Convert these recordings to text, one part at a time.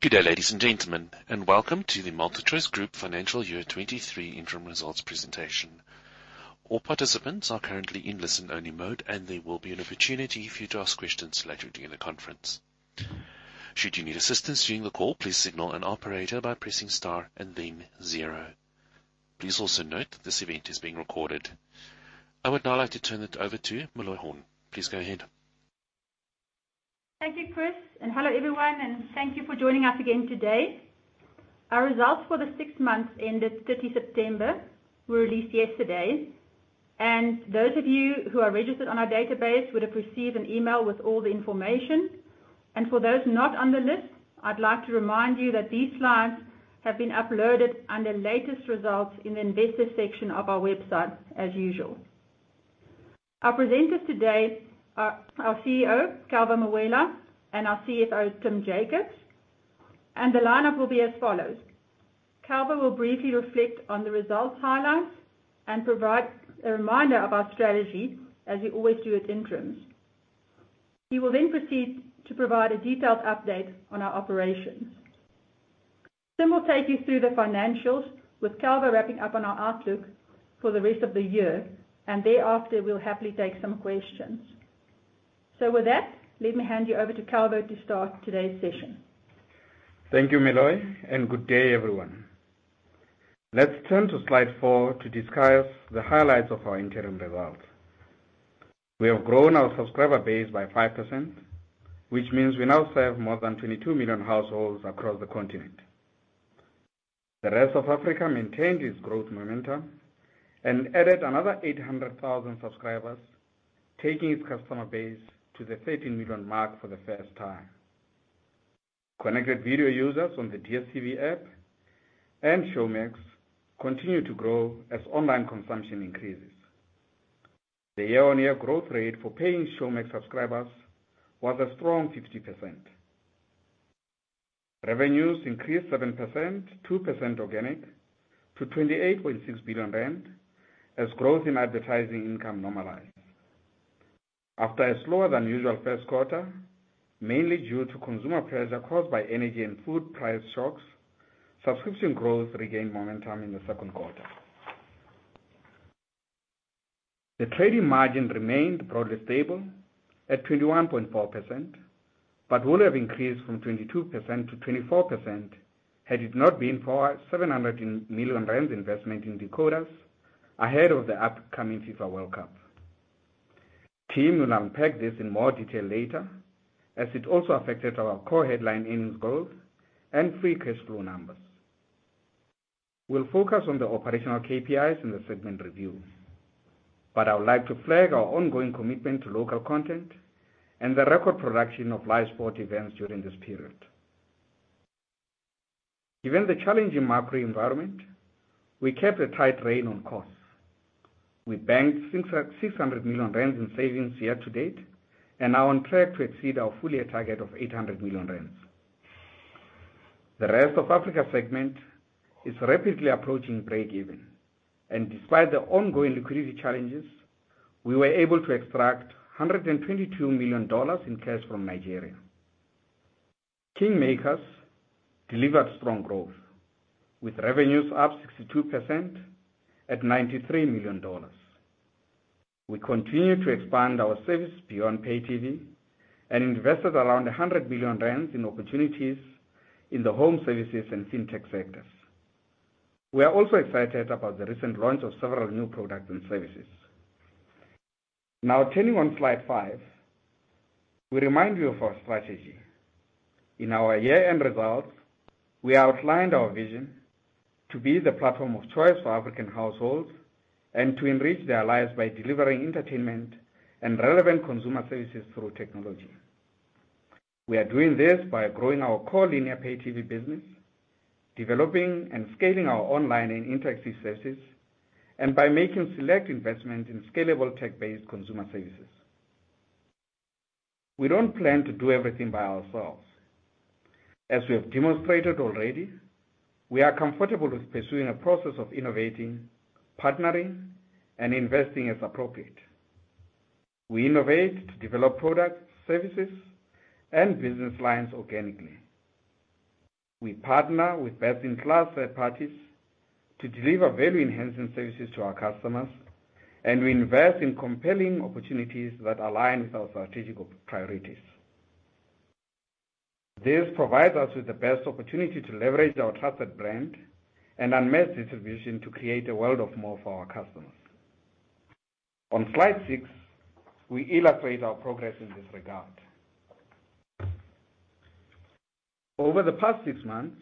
Good day, ladies and gentlemen, and welcome to the MultiChoice Group Financial Year 2023 Interim Results Presentation. All participants are currently in listen-only mode, and there will be an opportunity for you to ask questions later during the conference. Should you need assistance during the call, please signal an operator by pressing star and then zero. Please also note this event is being recorded. I would now like to turn it over to Meloy Horn. Please go ahead. Thank you, Chris, and hello everyone, and thank you for joining us again today. Our results for the six months ended 30 September were released yesterday. Those of you who are registered on our database would have received an email with all the information. For those not on the list, I'd like to remind you that these slides have been uploaded under Latest Results in the Investor section of our website as usual. Our presenters today are our CEO, Calvo Mawela, and our CFO, Tim Jacobs. The lineup will be as follows. Calvo will briefly reflect on the results highlights and provide a reminder of our strategy, as we always do at interims. He will then proceed to provide a detailed update on our operations. Tim will take you through the financials, with Calvo wrapping up on our outlook for the rest of the year, and thereafter we'll happily take some questions. With that, let me hand you over to Calvo to start today's session. Thank you, Meloy, and good day, everyone. Let's turn to slide four to discuss the highlights of our interim results. We have grown our subscriber base by 5%, which means we now serve more than 22 million households across the continent. The rest of Africa maintained its growth momentum and added another 800,000 subscribers, taking its customer base to the 13 million mark for the first time. Connected video users on the DStv app and Showmax continue to grow as online consumption increases. The year-on-year growth rate for paying Showmax subscribers was a strong 50%. Revenues increased 7%, 2% organic, to 28.6 billion rand, as growth in advertising income normalized. After a slower than usual first quarter, mainly due to consumer pressure caused by energy and food price shocks, subscription growth regained momentum in the second quarter. The trading margin remained broadly stable at 21.4%, but would have increased from 22%-24% had it not been for our 700 million rand investment in decoders ahead of the upcoming FIFA World Cup. Tim will now unpack this in more detail later, as it also affected our core headline earnings growth and free cash flow numbers. We'll focus on the operational KPIs in the segment review, but I would like to flag our ongoing commitment to local content and the record production of live sport events during this period. Given the challenging macro environment, we kept a tight rein on costs. We banked 600 million rand in savings year to date and are on track to exceed our full year target of 800 million rand. The rest of Africa segment is rapidly approaching break-even, and despite the ongoing liquidity challenges, we were able to extract $122 million in cash from Nigeria. KingMakers delivered strong growth, with revenues up 62% at $93 million. We continue to expand our service beyond pay TV and invested around 100 billion rand in opportunities in the home services and fintech sectors. We are also excited about the recent launch of several new products and services. Now turning to slide 5, we remind you of our strategy. In our year-end results, we outlined our vision to be the platform of choice for African households and to enrich their lives by delivering entertainment and relevant consumer services through technology. We are doing this by growing our core linear pay TV business, developing and scaling our online and interactive services, and by making select investments in scalable tech-based consumer services. We don't plan to do everything by ourselves. As we have demonstrated already, we are comfortable with pursuing a process of innovating, partnering, and investing as appropriate. We innovate to develop products, services, and business lines organically. We partner with best-in-class third parties to deliver value-enhancing services to our customers, and we invest in compelling opportunities that align with our strategic priorities. This provides us with the best opportunity to leverage our trusted brand and unmet distribution to create a world of more for our customers. On slide six, we illustrate our progress in this regard. Over the past six months,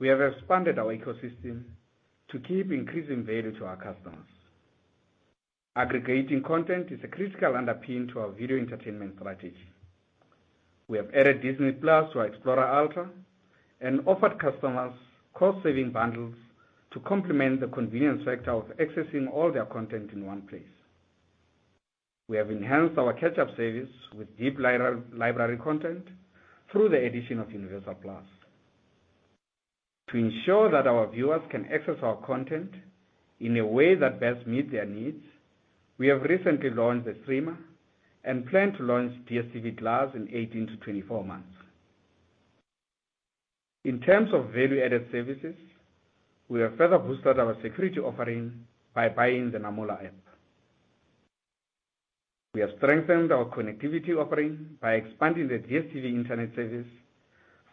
we have expanded our ecosystem to keep increasing value to our customers. Aggregating content is a critical underpin to our video entertainment strategy. We have added Disney+ to our Explora Ultra and offered customers cost-saving bundles to complement the convenience factor of accessing all their content in one place. We have enhanced our catch-up service with deep library content through the addition of Universal+. To ensure that our viewers can access our content in a way that best meets their needs, we have recently launched a streamer and plan to launch DStv Glass in 18-24 months. In terms of value-added services, we have further boosted our security offering by buying the Namola app. We have strengthened our connectivity offering by expanding the DStv Internet service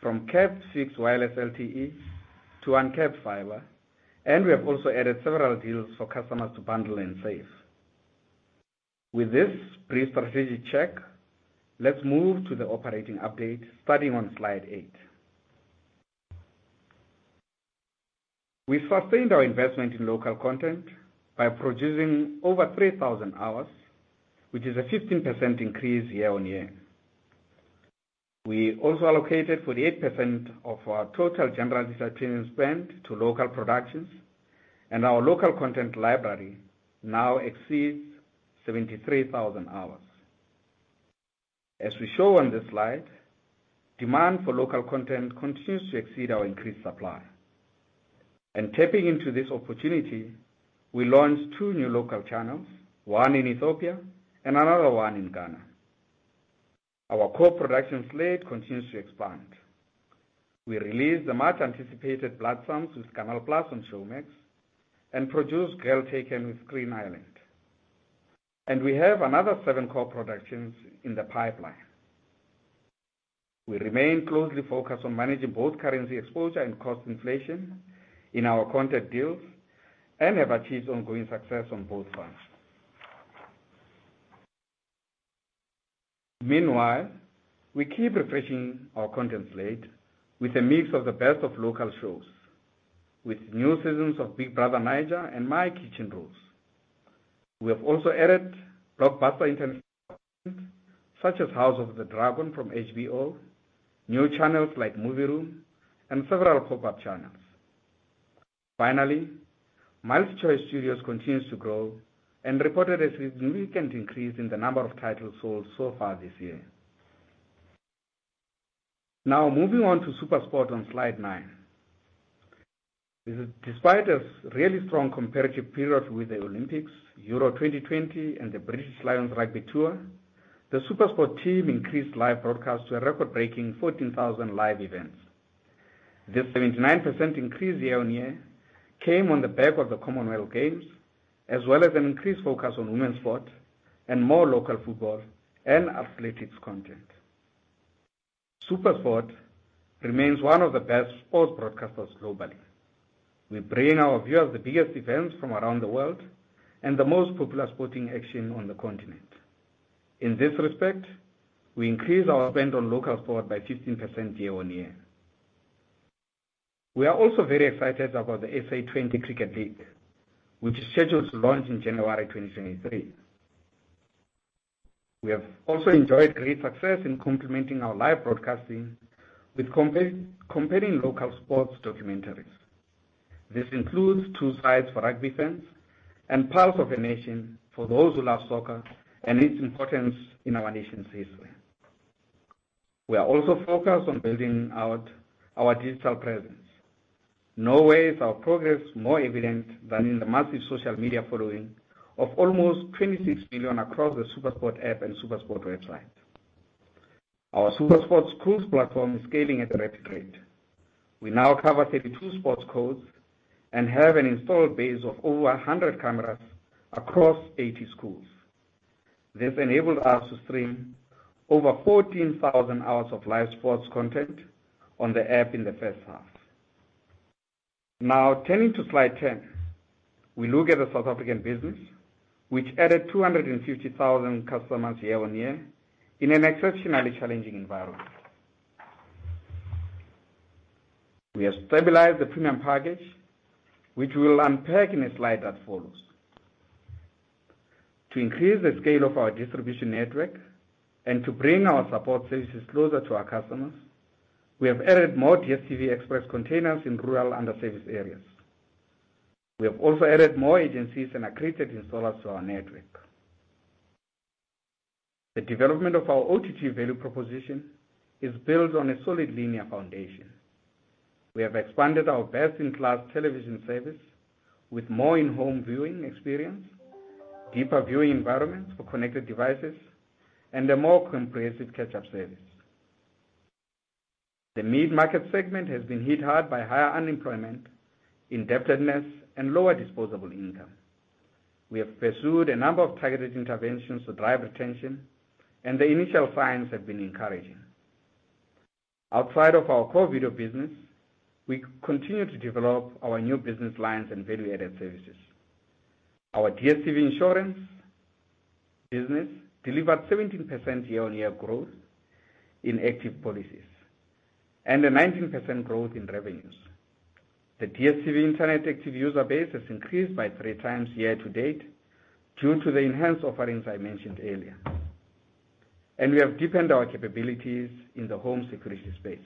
from capped fixed wireless LTE to uncapped fiber, and we have also added several deals for customers to bundle and save. With this brief strategic check, let's move to the operating update starting on slide eight. We sustained our investment in local content by producing over 3,000 hours, which is a 15% increase year on year. We also allocated 48% of our total general entertainment spend to local productions, and our local content library now exceeds 73,000 hours. As we show on this slide, demand for local content continues to exceed our increased supply. Tapping into this opportunity, we launched two new local channels, one in Ethiopia and another one in Ghana. Our core production slate continues to expand. We released the much anticipated Blood Psalms with Canal+ on Showmax and produced Girl Taken with Green Island. We have another seven core productions in the pipeline. We remain closely focused on managing both currency exposure and cost inflation in our content deals and have achieved ongoing success on both fronts. Meanwhile, we keep refreshing our content slate with a mix of the best of local shows with new seasons of Big Brother Naija and My Kitchen Rules. We have also added blockbuster international content such as House of the Dragon from HBO, new channels like Movie Room, and several pop-up channels. Finally, MultiChoice Studios continues to grow and reported a significant increase in the number of titles sold so far this year. Now moving on to SuperSport on slide nine. Despite a really strong comparative period with the Olympics, UEFA EURO 2020, and the British & Irish Lions rugby tour, the SuperSport team increased live broadcasts to a record-breaking 14,000 live events. This 79% increase year-on-year came on the back of the Commonwealth Games, as well as an increased focus on women's sport and more local football and athletics content. SuperSport remains one of the best sports broadcasters globally. We bring our viewers the biggest events from around the world and the most popular sporting action on the continent. In this respect, we increased our spend on local sport by 15% year on year. We are also very excited about the SA20 Cricket League, which is scheduled to launch in January 2023. We have also enjoyed great success in complementing our live broadcasting with compelling local sports documentaries. This includes Two Sides for rugby fans and Pulse of a Nation for those who love soccer and its importance in our nation's history. We are also focused on building out our digital presence. Nowhere is our progress more evident than in the massive social media following of almost 26 million across the SuperSport app and SuperSport website. Our SuperSport Schools platform is scaling at a rapid rate. We now cover 32 sports codes and have an installed base of over 100 cameras across 80 schools. This enabled us to stream over 14,000 hours of live sports content on the app in the first half. Now turning to slide 10. We look at the South African business, which added 250,000 customers year-on-year in an exceptionally challenging environment. We have stabilized the premium package, which we'll unpack in a slide that follows. To increase the scale of our distribution network and to bring our support services closer to our customers, we have added more DStv Express containers in rural under-serviced areas. We have also added more agencies and accredited installers to our network. The development of our OTT value proposition is built on a solid linear foundation. We have expanded our best-in-class television service with more in-home viewing experience, deeper viewing environments for connected devices, and a more comprehensive catch-up service. The mid-market segment has been hit hard by higher unemployment, indebtedness, and lower disposable income. We have pursued a number of targeted interventions to drive retention, and the initial signs have been encouraging. Outside of our core video business, we continue to develop our new business lines and value-added services. Our DStv insurance business delivered 17% year-on-year growth in active policies and a 19% growth in revenues. The DStv internet active user base has increased by 3x year to date due to the enhanced offerings I mentioned earlier. We have deepened our capabilities in the home security space.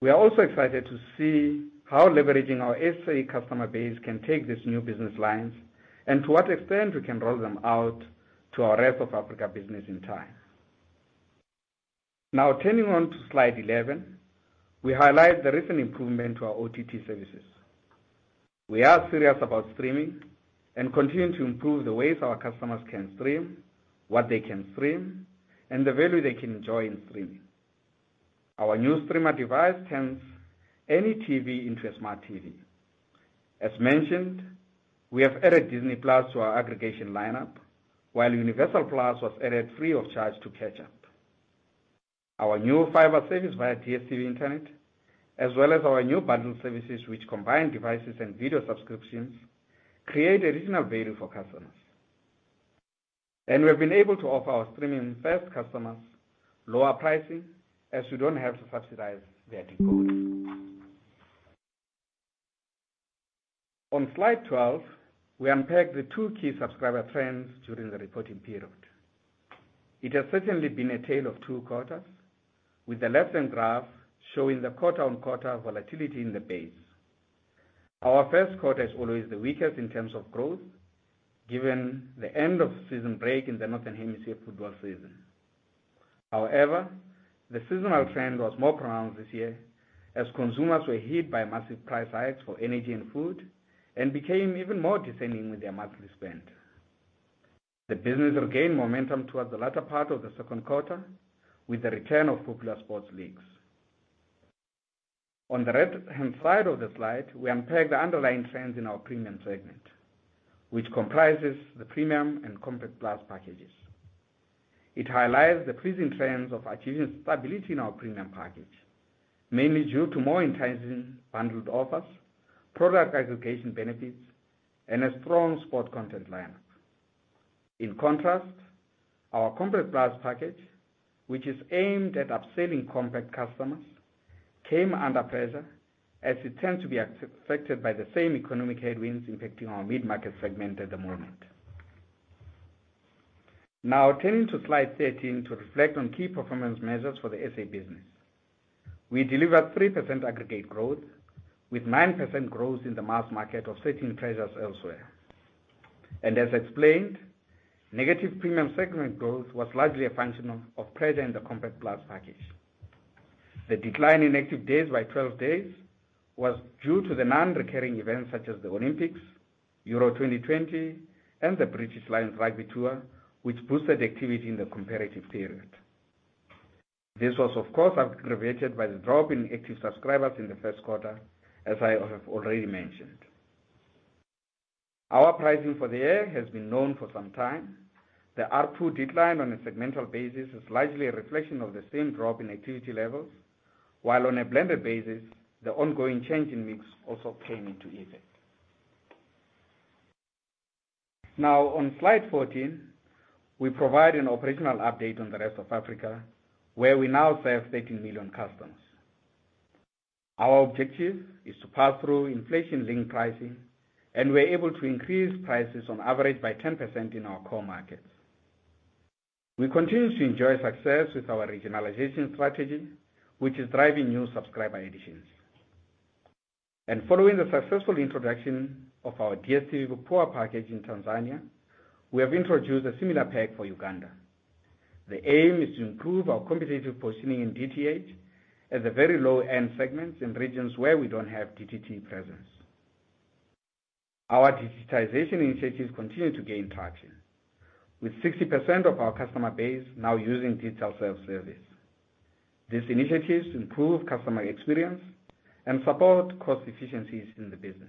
We are also excited to see how leveraging our SA customer base can take these new business lines and to what extent we can roll them out to our rest of Africa business in time. Now turning to slide 11, we highlight the recent improvement to our OTT services. We are serious about streaming and continue to improve the ways our customers can stream, what they can stream, and the value they can enjoy in streaming. Our new streamer device turns any TV into a smart TV. As mentioned, we have added Disney+ to our aggregation lineup, while Universal+ was added free of charge to Catch Up. Our new fiber service via DStv Internet, as well as our new bundle services which combine devices and video subscriptions, create additional value for customers. We have been able to offer our streaming-first customers lower pricing, as we don't have to subsidize their decoding. On slide 12, we unpack the two key subscriber trends during the reporting period. It has certainly been a tale of two quarters, with the left-hand graph showing the quarter-on-quarter volatility in the base. Our first quarter is always the weakest in terms of growth, given the end-of-season break in the Northern Hemisphere football season. However, the seasonal trend was more pronounced this year, as consumers were hit by massive price hikes for energy and food and became even more discerning with their monthly spend. The business regained momentum towards the latter part of the second quarter with the return of popular sports leagues. On the right-hand side of the slide, we unpack the underlying trends in our premium segment, which comprises the premium and Compact Plus packages. It highlights the pleasing trends of achieving stability in our premium package, mainly due to more enticing bundled offers, product aggregation benefits, and a strong sports content lineup. In contrast, our Compact Plus package, which is aimed at upselling compact customers, came under pressure, as it tends to be affected by the same economic headwinds impacting our mid-market segment at the moment. Now turning to slide 13 to reflect on key performance measures for the SA business. We delivered 3% aggregate growth with 9% growth in the mass market offsetting pressures elsewhere. As explained, negative premium segment growth was largely a function of pressure in the Compact Plus package. The decline in active days by 12 days was due to the non-recurring events such as the Olympics, Euro 2020, and the British & Irish Lions rugby tour, which boosted activity in the comparative period. This was, of course, aggravated by the drop in active subscribers in the first quarter, as I have already mentioned. Our pricing for the year has been known for some time. The ARPU decline on a segmental basis is largely a reflection of the same drop in activity levels, while on a blended basis, the ongoing change in mix also came into effect. Now on slide 14, we provide an operational update on the rest of Africa, where we now serve 13 million customers. Our objective is to pass through inflation-linked pricing, and we're able to increase prices on average by 10% in our core markets. We continue to enjoy success with our regionalization strategy, which is driving new subscriber additions. Following the successful introduction of our DStv Go package in Tanzania, we have introduced a similar pack for Uganda. The aim is to improve our competitive positioning in DTH at the very low-end segments in regions where we don't have DTT presence. Our digitization initiatives continue to gain traction, with 60% of our customer base now using digital self-service. These initiatives improve customer experience and support cost efficiencies in the business.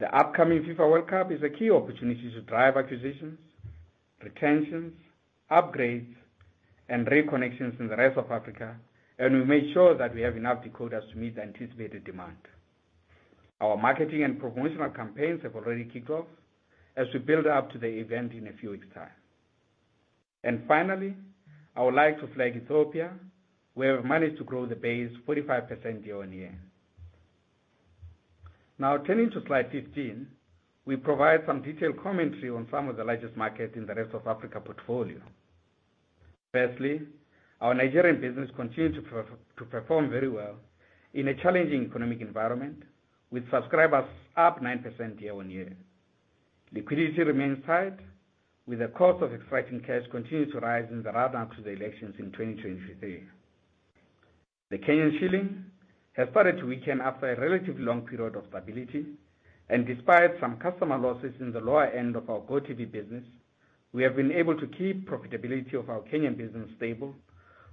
The upcoming FIFA World Cup is a key opportunity to drive acquisitions, retentions, upgrades, and reconnections in the rest of Africa, and we made sure that we have enough decoders to meet the anticipated demand. Our marketing and promotional campaigns have already kicked off as we build up to the event in a few weeks' time. Finally, I would like to flag Ethiopia, where we've managed to grow the base 45% year-on-year. Now turning to slide 15, we provide some detailed commentary on some of the largest markets in the rest of Africa portfolio. Firstly, our Nigerian business continued to perform very well in a challenging economic environment, with subscribers up 9% year-on-year. Liquidity remains tight, with the cost of extracting cash continuing to rise in the run-up to the elections in 2023. The Kenyan shilling has started to weaken after a relatively long period of stability. Despite some customer losses in the lower end of our GOtv business, we have been able to keep profitability of our Kenyan business stable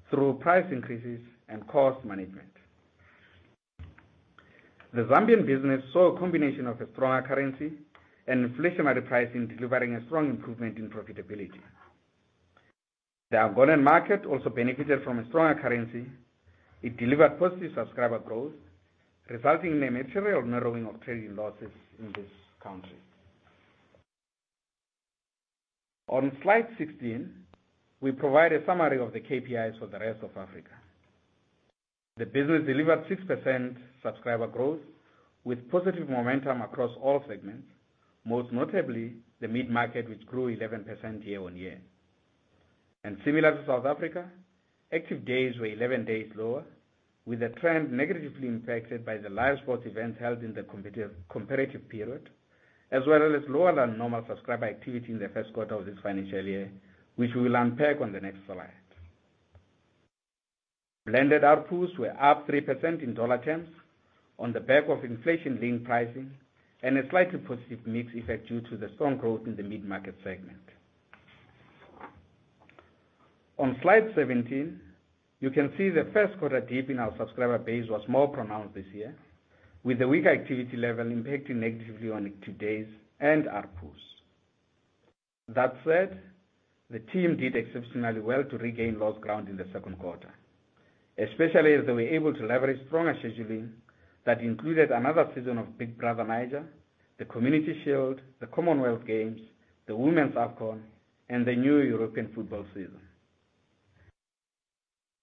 through price increases and cost management. The Zambian business saw a combination of a stronger currency and inflationary pricing, delivering a strong improvement in profitability. The Ugandan market also benefited from a stronger currency. It delivered positive subscriber growth, resulting in a material narrowing of trading losses in this country. On slide 16, we provide a summary of the KPIs for the rest of Africa. The business delivered 6% subscriber growth with positive momentum across all segments, most notably the mid-market, which grew 11% year-on-year. Similar to South Africa, active days were 11 days lower, with the trend negatively impacted by the live sports events held in the comparative period, as well as lower than normal subscriber activity in the first quarter of this financial year, which we will unpack on the next slide. Blended RPOs were up 3% in dollar terms on the back of inflation link pricing and a slightly positive mix effect due to the strong growth in the mid-market segment. On slide 17, you can see the first quarter dip in our subscriber base was more pronounced this year, with the weaker activity level impacting negatively on DStv's and ARPU's. That said, the team did exceptionally well to regain lost ground in the second quarter, especially as they were able to leverage stronger scheduling that included another season of Big Brother Naija, the Community Shield, the Commonwealth Games, the Women's AFCON, and the new European football season.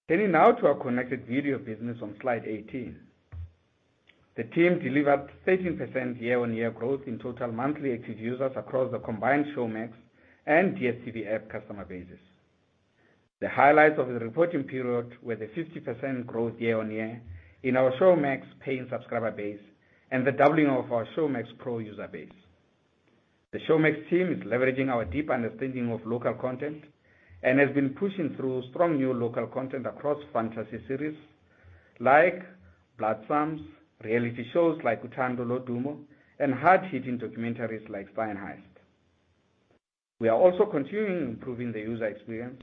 Turning now to our connected video business on slide 18. The team delivered 13% year-on-year growth in total monthly active users across the combined Showmax and DStv app customer bases. The highlights of the reporting period were the 50% growth year-on-year in our Showmax paying subscriber base and the doubling of our Showmax Pro user base. The Showmax team is leveraging our deep understanding of local content and has been pushing through strong new local content across fantasy series like Blood Psalms, reality shows like Uthando Lodumo, and hard-hitting documentaries like Spioen Heist. We are also continuing improving the user experience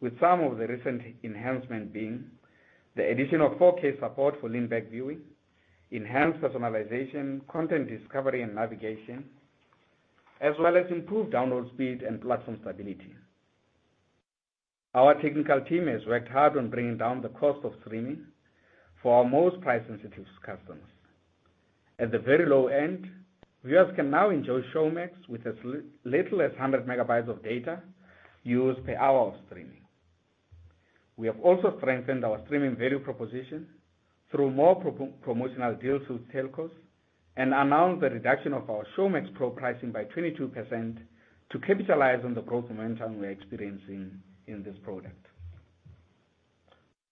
with some of the recent enhancement being the addition of 4K support for lean-back viewing, enhanced personalization, content discovery, and navigation, as well as improved download speed and platform stability. Our technical team has worked hard on bringing down the cost of streaming for our most price-sensitive customers. At the very low end, viewers can now enjoy Showmax with as little as 100 MB of data used per hour of streaming. We have also strengthened our streaming value proposition through more pro-promotional deals with telcos, and announced the reduction of our Showmax Pro pricing by 22% to capitalize on the growth momentum we are experiencing in this product.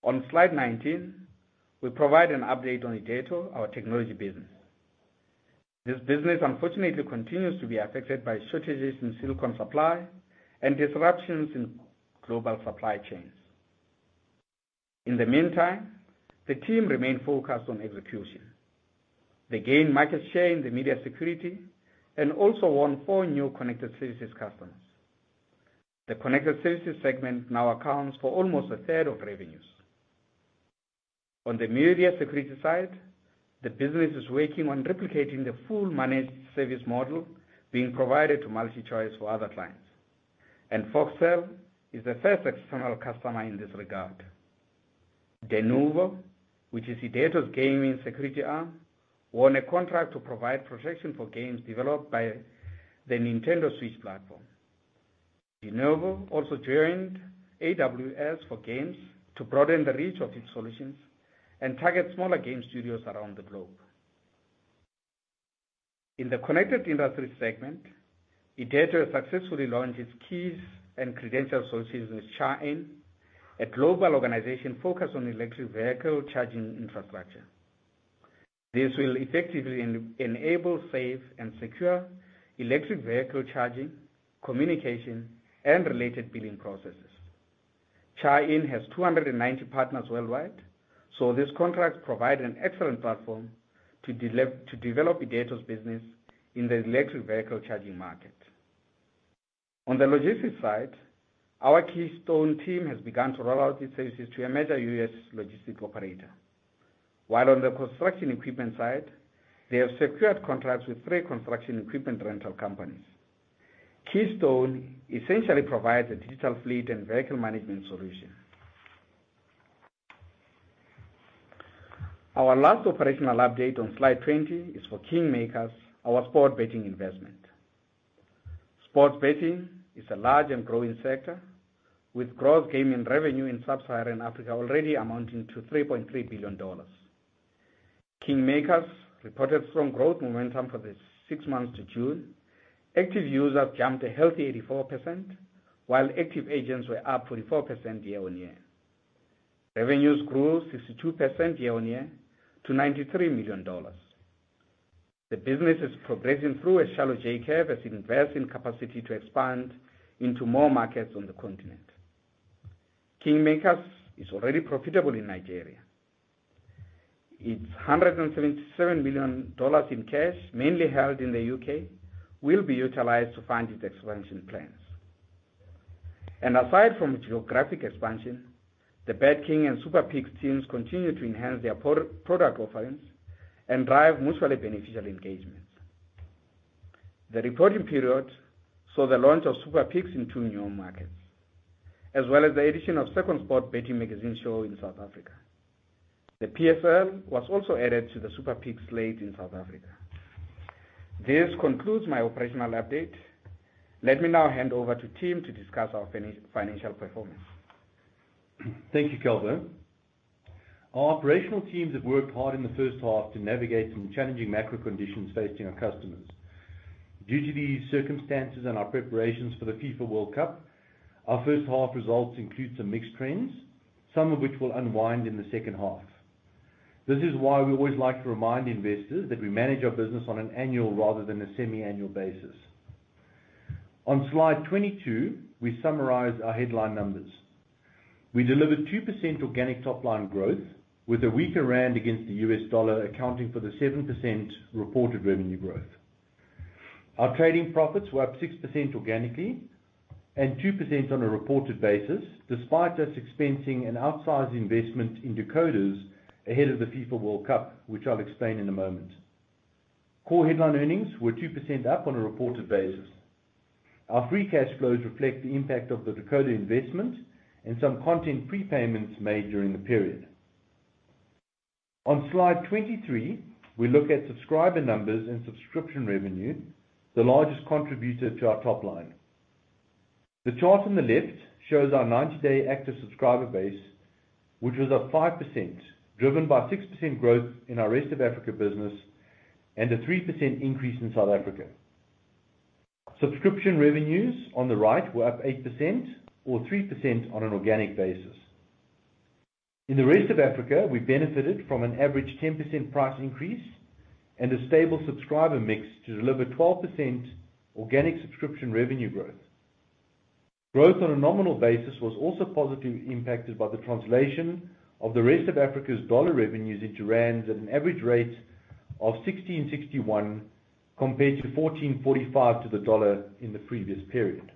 On slide 19, we provide an update on Irdeto, our technology business. This business, unfortunately, continues to be affected by shortages in silicon supply and disruptions in global supply chains. In the meantime, the team remain focused on execution. They gained market share in the media security and also won four new connected services customers. The connected services segment now accounts for almost 1/3 of revenues. On the media security side, the business is working on replicating the full managed service model being provided to MultiChoice for other clients, and Foxtel is the first external customer in this regard. Denuvo, which is Irdeto's gaming security arm, won a contract to provide protection for games developed by the Nintendo Switch platform. Denuvo also joined AWS for Games to broaden the reach of its solutions and target smaller game studios around the globe. In the connected industry segment, Irdeto successfully launched its keys and credential services with CharIN, a global organization focused on electric vehicle charging infrastructure. This will effectively enable safe and secure electric vehicle charging, communication, and related billing processes. CharIN has 290 partners worldwide, so this contract provide an excellent platform to develop Irdeto's business in the electric vehicle charging market. On the logistics side, our Keystone team has begun to roll out its services to a major U.S. logistics operator, while on the construction equipment side, they have secured contracts with three construction equipment rental companies. Keystone essentially provides a digital fleet and vehicle management solution. Our last operational update on slide 20 is for KingMakers, our sports betting investment. Sports betting is a large and growing sector, with gross gaming revenue in sub-Saharan Africa already amounting to $3.3 billion. KingMakers reported strong growth momentum for the six months to June. Active users jumped a healthy 84%, while active agents were up 44% year-on-year. Revenues grew 62% year-on-year to $93 million. The business is progressing through a shallow J-curve as it invests in capacity to expand into more markets on the continent. KingMakers is already profitable in Nigeria. Its $177 million in cash, mainly held in the UK, will be utilized to fund its expansion plans. Aside from geographic expansion, the BetKing and SuperPicks teams continue to enhance their product offerings and drive mutually beneficial engagements. The reporting period saw the launch of SuperPicks in two new markets, as well as the addition of SuperSport betting magazine show in South Africa. The PSL was also added to the SuperPicks slate in South Africa. This concludes my operational update. Let me now hand over to Tim to discuss our financial performance. Thank you, Calvo. Our operational teams have worked hard in the first half to navigate some challenging macro conditions facing our customers. Due to these circumstances and our preparations for the FIFA World Cup, our first half results include some mixed trends, some of which will unwind in the second half. This is why we always like to remind investors that we manage our business on an annual rather than a semi-annual basis. On slide 22, we summarize our headline numbers. We delivered 2% organic top line growth with a weaker rand against the U.S. dollar, accounting for the 7% reported revenue growth. Our trading profits were up 6% organically and 2% on a reported basis, despite us expensing an outsized investment in decoders ahead of the FIFA World Cup, which I'll explain in a moment. Core headline earnings were 2% up on a reported basis. Our free cash flows reflect the impact of the decoder investment and some content prepayments made during the period. On slide 23, we look at subscriber numbers and subscription revenue, the largest contributor to our top line. The chart on the left shows our 90-day active subscriber base, which was up 5%, driven by 6% growth in our rest of Africa business and a 3% increase in South Africa. Subscription revenues on the right were up 8% or 3% on an organic basis. In the rest of Africa, we benefited from an average 10% price increase and a stable subscriber mix to deliver 12% organic subscription revenue growth. Growth on a nominal basis was also positively impacted by the translation of the rest of Africa's dollar revenues into rands at an average rate of 16.61 compared to 14.45 to the dollar in the previous period.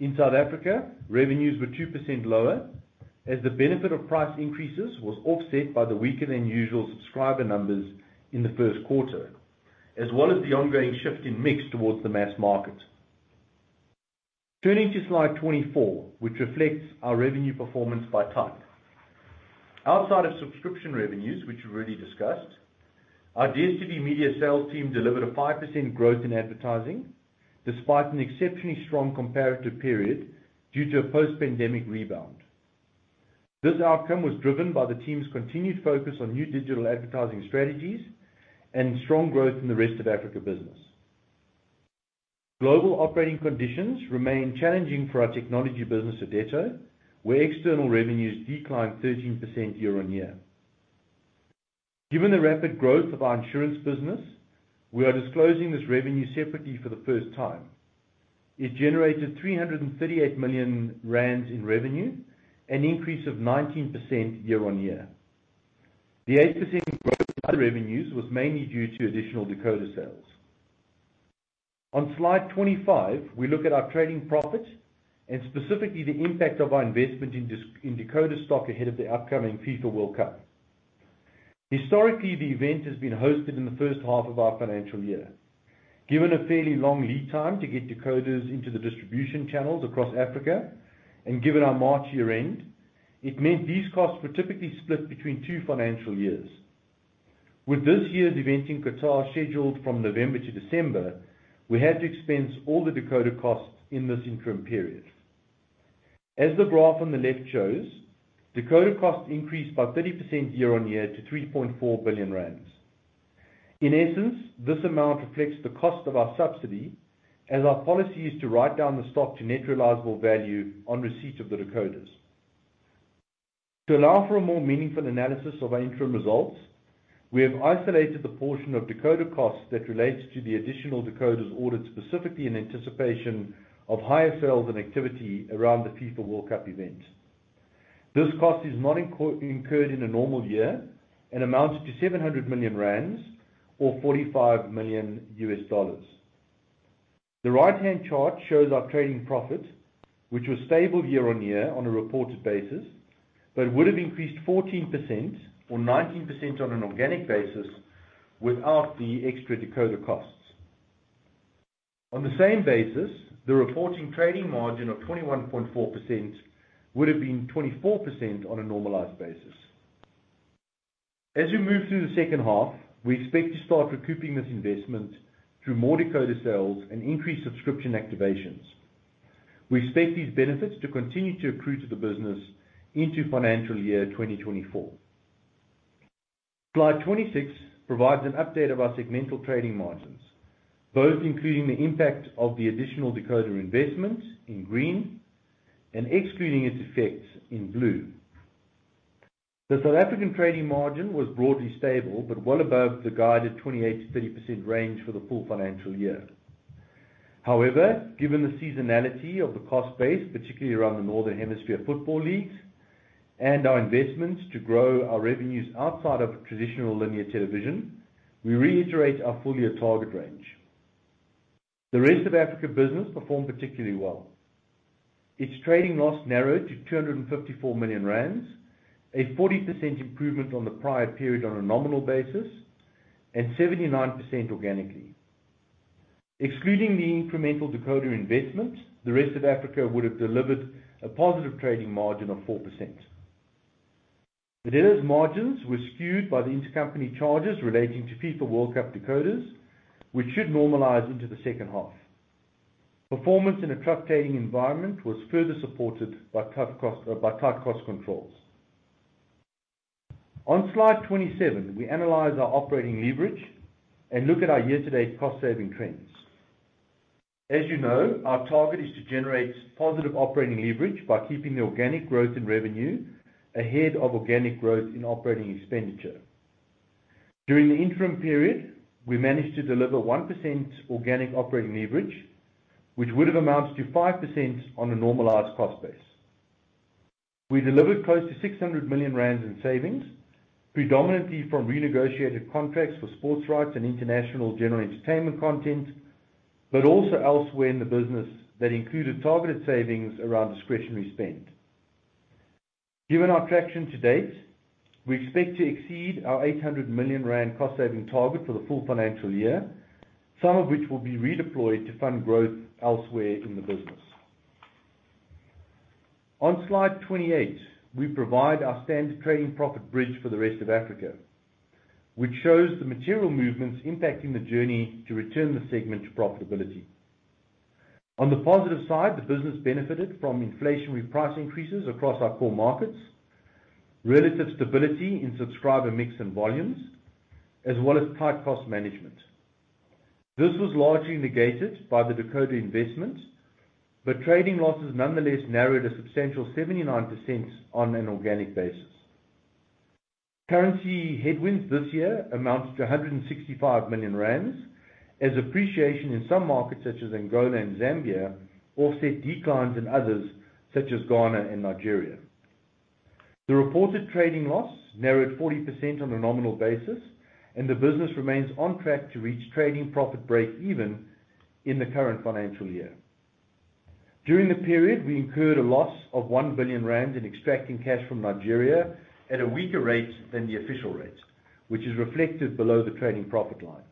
In South Africa, revenues were 2% lower as the benefit of price increases was offset by the weaker than usual subscriber numbers in the first quarter, as well as the ongoing shift in mix towards the mass market. Turning to slide 24, which reflects our revenue performance by type. Outside of subscription revenues, which we've already discussed, our DStv Media Sales team delivered a 5% growth in advertising despite an exceptionally strong comparative period due to a post-pandemic rebound. This outcome was driven by the team's continued focus on new digital advertising strategies and strong growth in the rest of Africa business. Global operating conditions remain challenging for our technology business, Irdeto, where external revenues declined 13% year-on-year. Given the rapid growth of our insurance business, we are disclosing this revenue separately for the first time. It generated 338 million rand in revenue, an increase of 19% year-on-year. The 8% growth in other revenues was mainly due to additional decoder sales. On slide 25, we look at our trading profits and specifically the impact of our investment in decoder stock ahead of the upcoming FIFA World Cup. Historically, the event has been hosted in the first half of our financial year. Given a fairly long lead time to get decoders into the distribution channels across Africa and given our March year-end, it meant these costs were typically split between two financial years. With this year's event in Qatar scheduled from November to December, we had to expense all the decoder costs in this interim period. As the graph on the left shows, decoder costs increased by 30% year-on-year to 3.4 billion rand. In essence, this amount reflects the cost of our subsidy as our policy is to write down the stock to net realizable value on receipt of the decoders. To allow for a more meaningful analysis of our interim results, we have isolated the portion of decoder costs that relates to the additional decoders ordered specifically in anticipation of higher sales and activity around the FIFA World Cup event. This cost is not incurred in a normal year and amounted to 700 million rand or $45 million. The right-hand chart shows our trading profit, which was stable year-on-year on a reported basis, but would have increased 14% or 19% on an organic basis without the extra decoder costs. On the same basis, the reporting trading margin of 21.4% would have been 24% on a normalized basis. As we move through the second half, we expect to start recouping this investment through more decoder sales and increased subscription activations. We expect these benefits to continue to accrue to the business into financial year 2024. Slide 26 provides an update of our segmental trading margins, both including the impact of the additional decoder investment in green and excluding its effects in blue. The South African trading margin was broadly stable, but well above the guided 28%-30% range for the full financial year. However, given the seasonality of the cost base, particularly around the Northern Hemisphere football leagues and our investments to grow our revenues outside of traditional linear television, we reiterate our full year target range. The rest of Africa business performed particularly well. Its trading loss narrowed to 254 million rand, a 40% improvement on the prior period on a nominal basis and 79% organically. Excluding the incremental decoder investment, the rest of Africa would have delivered a positive trading margin of 4%. Irdeto's margins were skewed by the intercompany charges relating to FIFA World Cup decoders, which should normalize into the second half. Performance in a tough trading environment was further supported by tight cost controls. On slide 27, we analyze our operating leverage and look at our year-to-date cost-saving trends. As you know, our target is to generate positive operating leverage by keeping the organic growth in revenue ahead of organic growth in operating expenditure. During the interim period, we managed to deliver 1% organic operating leverage, which would have amounted to 5% on a normalized cost base. We delivered close to 600 million rand in savings, predominantly from renegotiated contracts for sports rights and international general entertainment content, but also elsewhere in the business that included targeted savings around discretionary spend. Given our traction to date, we expect to exceed our 800 million rand cost saving target for the full financial year, some of which will be redeployed to fund growth elsewhere in the business. On slide 28, we provide our standard trading profit bridge for the rest of Africa, which shows the material movements impacting the journey to return the segment to profitability. On the positive side, the business benefited from inflationary price increases across our core markets, relative stability in subscriber mix and volumes, as well as tight cost management. This was largely negated by the decoder investment, but trading losses nonetheless narrowed a substantial 79% on an organic basis. Currency headwinds this year amounted to 165 million rand as appreciation in some markets, such as Angola and Zambia, offset declines in others, such as Ghana and Nigeria. The reported trading loss narrowed 40% on a nominal basis, and the business remains on track to reach trading profit breakeven in the current financial year. During the period, we incurred a loss of 1 billion rand in extracting cash from Nigeria at a weaker rate than the official rate, which is reflected below the trading profit line.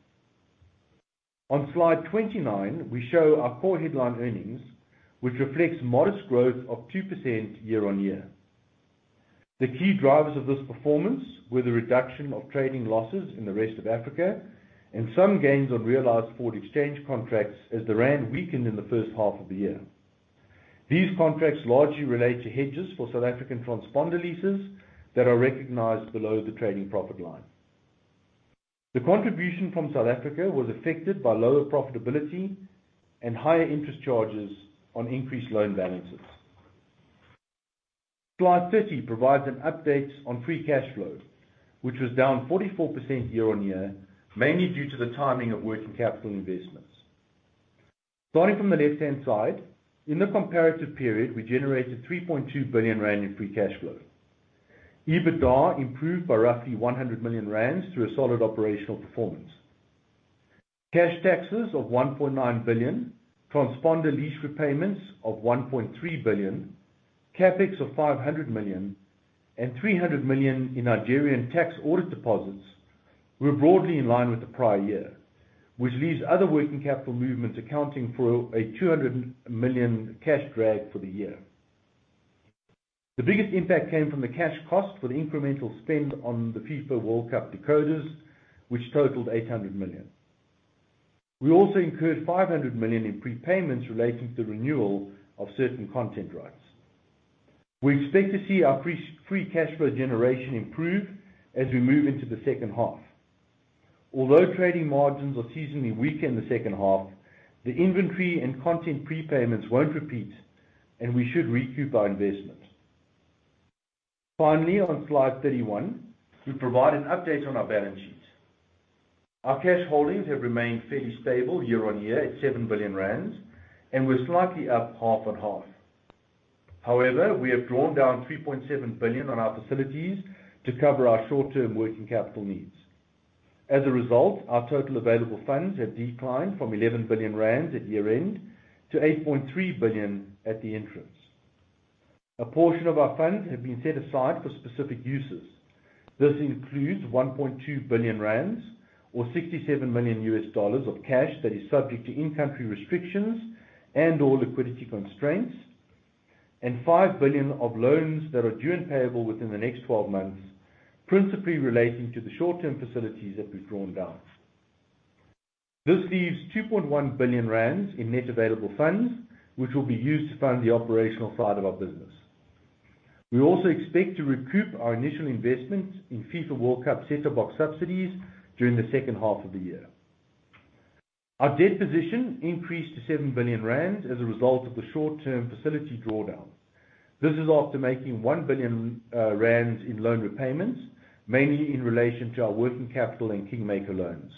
On slide 29, we show our core headline earnings, which reflects modest growth of 2% year-on-year. The key drivers of this performance were the reduction of trading losses in the rest of Africa and some gains on realized forward exchange contracts as the rand weakened in the first half of the year. These contracts largely relate to hedges for South African transponder leases that are recognized below the trading profit line. The contribution from South Africa was affected by lower profitability and higher interest charges on increased loan balances. Slide 30 provides an update on free cash flow, which was down 44% year-on-year, mainly due to the timing of working capital investments. Starting from the left-hand side, in the comparative period, we generated 3.2 billion rand in free cash flow. EBITDA improved by roughly 100 million rand through a solid operational performance. Cash taxes of 1.9 billion, transponder lease repayments of 1.3 billion, CapEx of 500 million, and 300 million in Nigerian tax audit deposits were broadly in line with the prior year, which leaves other working capital movements accounting for a 200 million cash drag for the year. The biggest impact came from the cash cost for the incremental spend on the FIFA World Cup decoders, which totaled 800 million. We also incurred 500 million in prepayments relating to the renewal of certain content rights. We expect to see our free cash flow generation improve as we move into the second half. Although trading margins are seasonally weak in the second half, the inventory and content prepayments won't repeat, and we should recoup our investments. Finally, on slide 31, we provide an update on our balance sheet. Our cash holdings have remained fairly stable year-over-year at 7 billion rand, and we're slightly up half-over-half. However, we have drawn down 3.7 billion on our facilities to cover our short-term working capital needs. As a result, our total available funds have declined from 11 billion rand at year-end to 8.3 billion at the interim. A portion of our funds have been set aside for specific uses. This includes 1.2 billion rand or $67 million of cash that is subject to in-country restrictions and/or liquidity constraints, and 5 billion of loans that are due and payable within the next twelve months, principally relating to the short-term facilities that we've drawn down. This leaves 2.1 billion rand in net available funds, which will be used to fund the operational side of our business. We also expect to recoup our initial investment in FIFA World Cup set-top box subsidies during the second half of the year. Our debt position increased to 7 billion rand as a result of the short-term facility drawdown. This is after making 1 billion rands in loan repayments, mainly in relation to our working capital and KingMakers loans.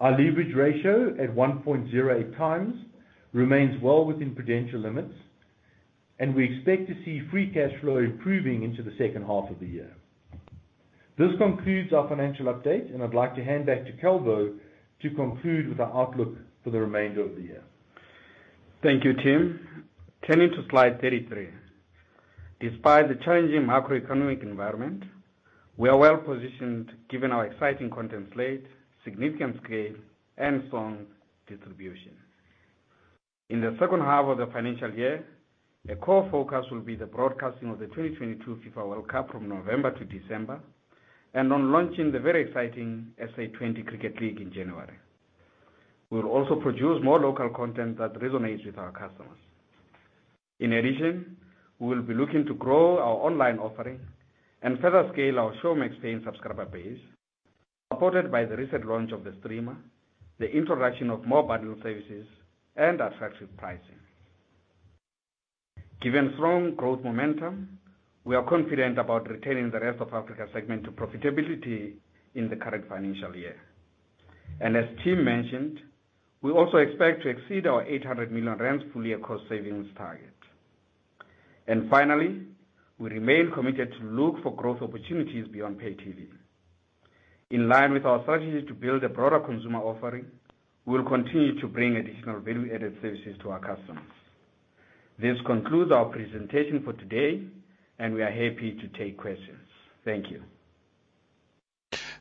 Our leverage ratio at 1.08 times remains well within prudential limits, and we expect to see free cash flow improving into the second half of the year. This concludes our financial update, and I'd like to hand back to Calvo to conclude with our outlook for the remainder of the year. Thank you, Tim. Turning to slide 33. Despite the changing macroeconomic environment, we are well-positioned given our exciting content slate, significant scale, and strong distribution. In the second half of the financial year, the core focus will be the broadcasting of the 2022 FIFA World Cup from November to December, and on launching the very exciting SA20 Cricket League in January. We will also produce more local content that resonates with our customers. In addition, we will be looking to grow our online offering and further scale our Showmax paying subscriber base, supported by the recent launch of the streamer, the introduction of more bundled services and attractive pricing. Given strong growth momentum, we are confident about retaining the rest of Africa segment to profitability in the current financial year. As Tim mentioned, we also expect to exceed our 800 million rand full year cost savings target. Finally, we remain committed to look for growth opportunities beyond pay TV. In line with our strategy to build a broader consumer offering, we will continue to bring additional value-added services to our customers. This concludes our presentation for today, and we are happy to take questions. Thank you.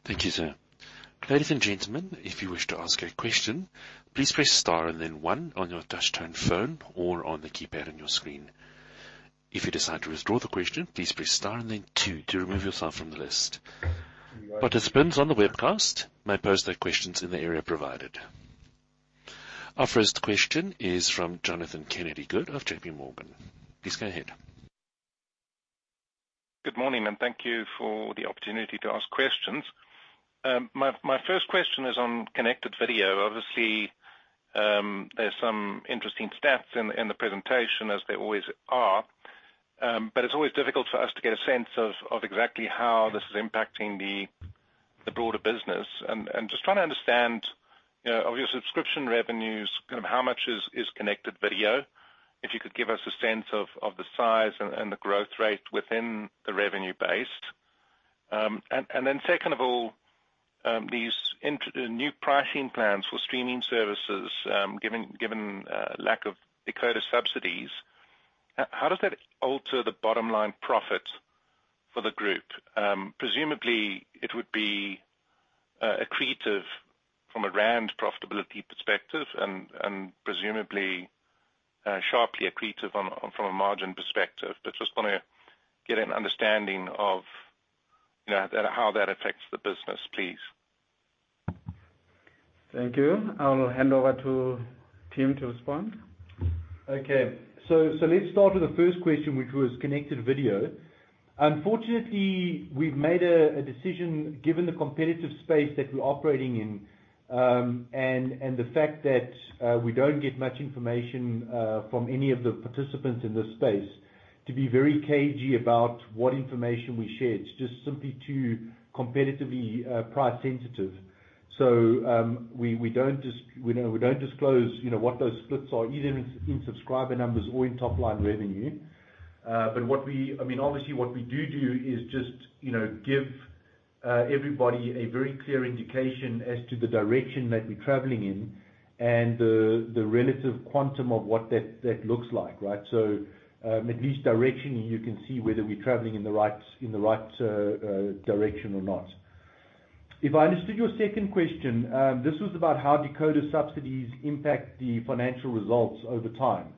Thank you, sir. Ladies and gentlemen, if you wish to ask a question, please press star and then one on your touchtone phone or on the keypad on your screen. If you decide to withdraw the question, please press star and then two to remove yourself from the list. Participants on the webcast may pose their questions in the area provided. Our first question is from Jonathan Kennedy-Good of JPMorgan. Please go ahead. Good morning, and thank you for the opportunity to ask questions. My first question is on connected video. Obviously, there's some interesting stats in the presentation as there always are. But it's always difficult for us to get a sense of exactly how this is impacting the broader business. Just trying to understand, you know, of your subscription revenues, kind of how much is connected video, if you could give us a sense of the size and the growth rate within the revenue base. Then second of all, these new pricing plans for streaming services, given lack of decoder subsidies, how does that alter the bottom line profit for the group? Presumably it would be accretive from a rand profitability perspective and presumably sharply accretive from a margin perspective. Just wanna get an understanding of, you know, how that affects the business, please. Thank you. I'll hand over to Tim to respond. Okay, let's start with the first question, which was connected video. Unfortunately, we've made a decision, given the competitive space that we're operating in, and the fact that we don't get much information from any of the participants in this space to be very cagey about what information we share. It's just simply too competitive, price sensitive. We don't disclose, you know, what those splits are, either in subscriber numbers or in top line revenue. But what we do is just, you know, give everybody a very clear indication as to the direction that we're traveling in and the relative quantum of what that looks like, right? At least directionally, you can see whether we're traveling in the right direction or not. If I understood your second question, this was about how decoder subsidies impact the financial results over time.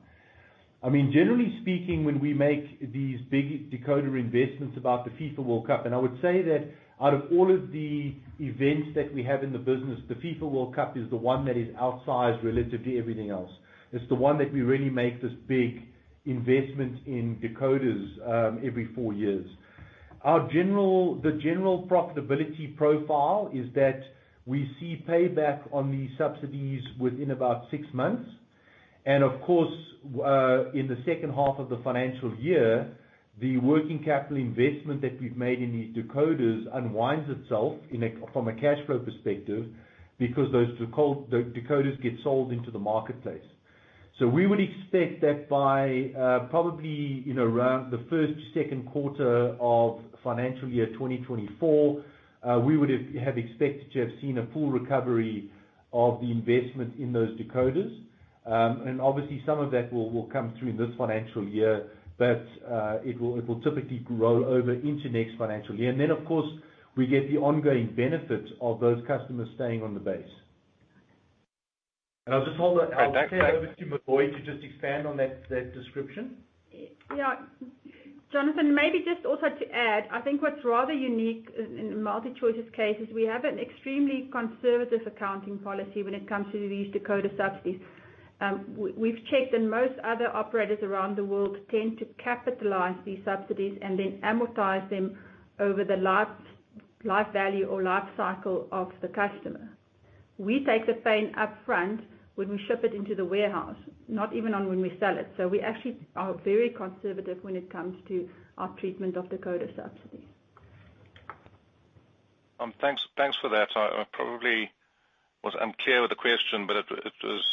I mean, generally speaking, when we make these big decoder investments about the FIFA World Cup, and I would say that out of all of the events that we have in the business, the FIFA World Cup is the one that is outsized relative to everything else. It's the one that we really make this big investment in decoders every four years. The general profitability profile is that we see payback on these subsidies within about six months. Of course, in the second half of the financial year, the working capital investment that we've made in these decoders unwinds itself from a cash flow perspective, because those decoders get sold into the marketplace. We would expect that by, probably, you know, around the first, second quarter of financial year 2024, we would have expected to have seen a full recovery of the investment in those decoders. Obviously some of that will come through in this financial year, but it will typically roll over into next financial year. We get the ongoing benefit of those customers staying on the base. I'll just hand over to Mbuyiseni to just expand on that description. Yeah. Jonathan, maybe just also to add, I think what's rather unique in MultiChoice's case is we have an extremely conservative accounting policy when it comes to these decoder subsidies. We've checked, and most other operators around the world tend to capitalize these subsidies and then amortize them over the life value or life cycle of the customer. We take the pain up front when we ship it into the warehouse, not even when we sell it. We actually are very conservative when it comes to our treatment of decoder subsidies. Thanks for that. I probably was unclear with the question, but it was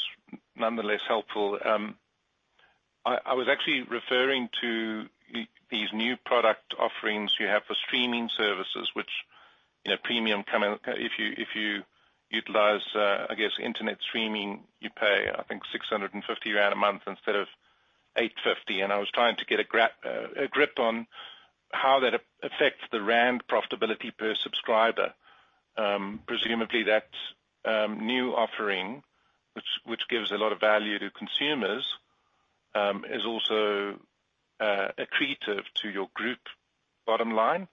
nonetheless helpful. I was actually referring to these new product offerings you have for streaming services, which, you know, premium come out. If you utilize, I guess, internet streaming, you pay, I think, 650 rand a month instead of 850. I was trying to get a grip on how that affects the rand profitability per subscriber. Presumably that new offering, which gives a lot of value to consumers, is also accretive to your group bottom line.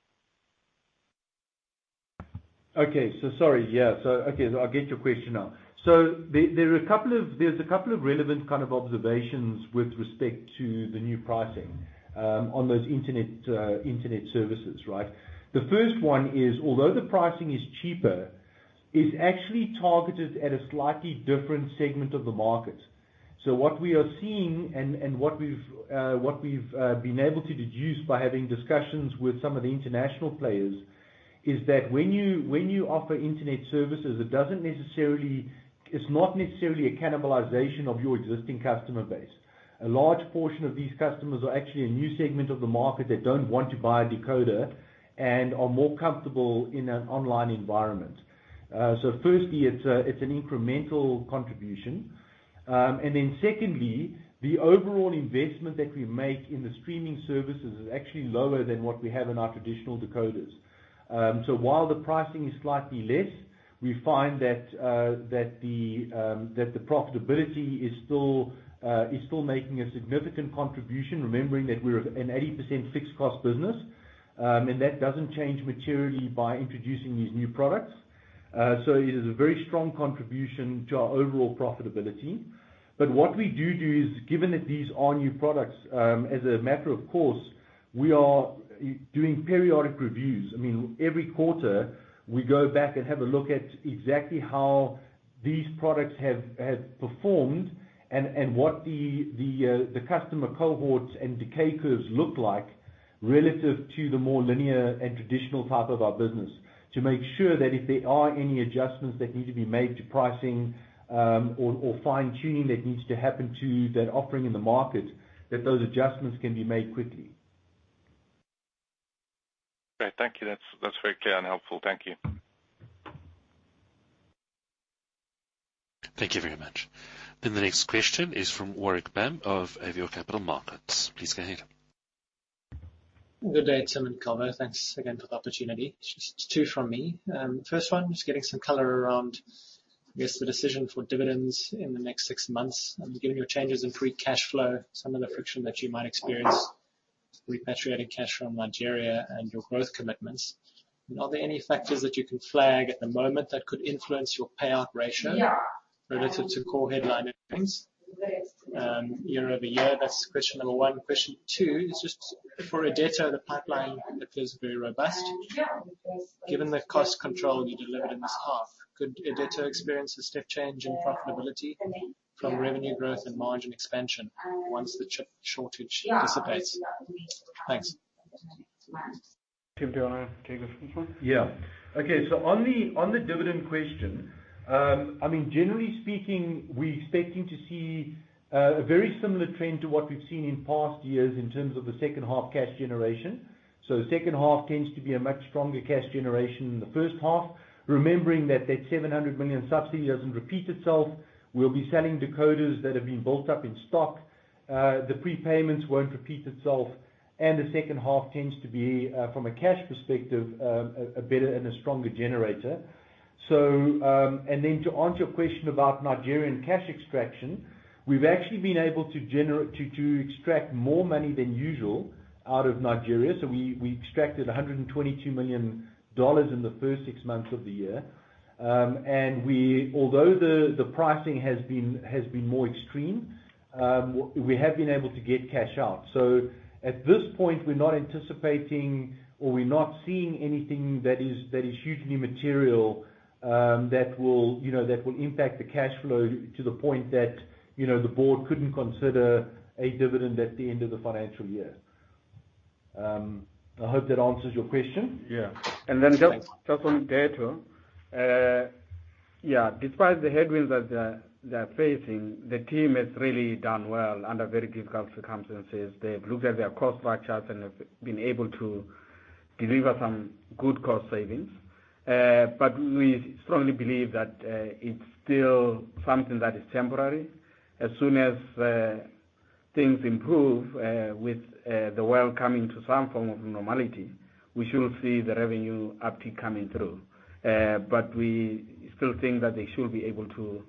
Sorry. Yeah, I get your question now. There are a couple of relevant kind of observations with respect to the new pricing on those internet services, right? The first one is, although the pricing is cheaper, it's actually targeted at a slightly different segment of the market. What we are seeing and what we've been able to deduce by having discussions with some of the international players is that when you offer internet services, it doesn't necessarily. It's not necessarily a cannibalization of your existing customer base. A large portion of these customers are actually a new segment of the market that don't want to buy a decoder and are more comfortable in an online environment. Firstly, it's an incremental contribution. Secondly, the overall investment that we make in the streaming services is actually lower than what we have in our traditional decoders. While the pricing is slightly less, we find that that the profitability is still making a significant contribution, remembering that we're an 80% fixed cost business, and that doesn't change materially by introducing these new products. It is a very strong contribution to our overall profitability. What we do is, given that these are new products, as a matter of course, we are doing periodic reviews. I mean, every quarter, we go back and have a look at exactly how these products have performed and what the customer cohorts and decay curves look like relative to the more linear and traditional type of our business, to make sure that if there are any adjustments that need to be made to pricing, or fine-tuning that needs to happen to that offering in the market, that those adjustments can be made quickly. Great. Thank you. That's very clear and helpful. Thank you. Thank you very much. The next question is from Warwick Bam of Avior Capital Markets. Please go ahead. Good day, Tim and Calvo Mawela. Thanks again for the opportunity. Just two from me. First one, just getting some color around, I guess, the decision for dividends in the next six months. Given your changes in free cash flow, some of the friction that you might experience repatriating cash from Nigeria and your growth commitments, are there any factors that you can flag at the moment that could influence your payout ratio relative to core headline earnings, year-over-year? That's question number one. Question two is just for Irdeto, the pipeline looks very robust. Given the cost control you delivered in this half, could Irdeto experience a step change in profitability from revenue growth and margin expansion once the chip shortage dissipates? Thanks. Tim, do you wanna take this one? Yeah. Okay. On the dividend question, I mean, generally speaking, we're expecting to see a very similar trend to what we've seen in past years in terms of the second half cash generation. The second half tends to be a much stronger cash generation than the first half. Remembering that 700 million subsidy doesn't repeat itself, we'll be selling decoders that have been built up in stock. The prepayments won't repeat itself, and the second half tends to be from a cash perspective a better and a stronger generator. To answer your question about Nigerian cash extraction, we've actually been able to to extract more money than usual out of Nigeria. We extracted $122 million in the first six months of the year. Although the pricing has been more extreme, we have been able to get cash out. At this point, we're not anticipating or we're not seeing anything that is hugely material that will, you know, impact the cash flow to the point that, you know, the board couldn't consider a dividend at the end of the financial year. I hope that answers your question. Yeah, thanks. Just on Irdeto. Despite the headwinds that they are facing, the team has really done well under very difficult circumstances. They've looked at their cost structures and have been able to deliver some good cost savings. We strongly believe that it's still something that is temporary. As soon as things improve with the world coming to some form of normality, we should see the revenue uptick coming through. We still think that they should be able to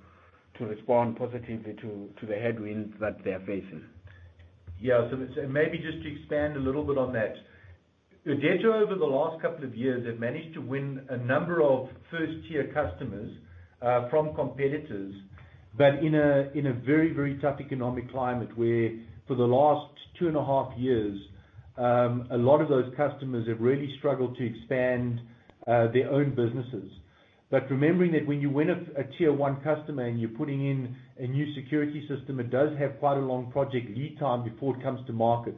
respond positively to the headwinds that they're facing. Yeah. Maybe just to expand a little bit on that. Irdeto, over the last couple of years, have managed to win a number of first-tier customers from competitors, but in a very, very tough economic climate where for the last two and a half years, a lot of those customers have really struggled to expand their own businesses. Remembering that when you win a tier one customer and you're putting in a new security system, it does have quite a long project lead time before it comes to market.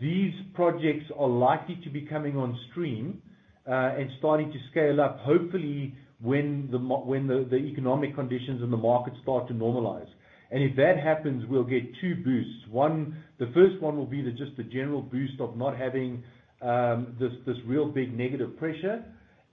These projects are likely to be coming on stream and starting to scale up, hopefully when the economic conditions in the market start to normalize. If that happens, we'll get two boosts. One, the first one will be the just the general boost of not having this real big negative pressure.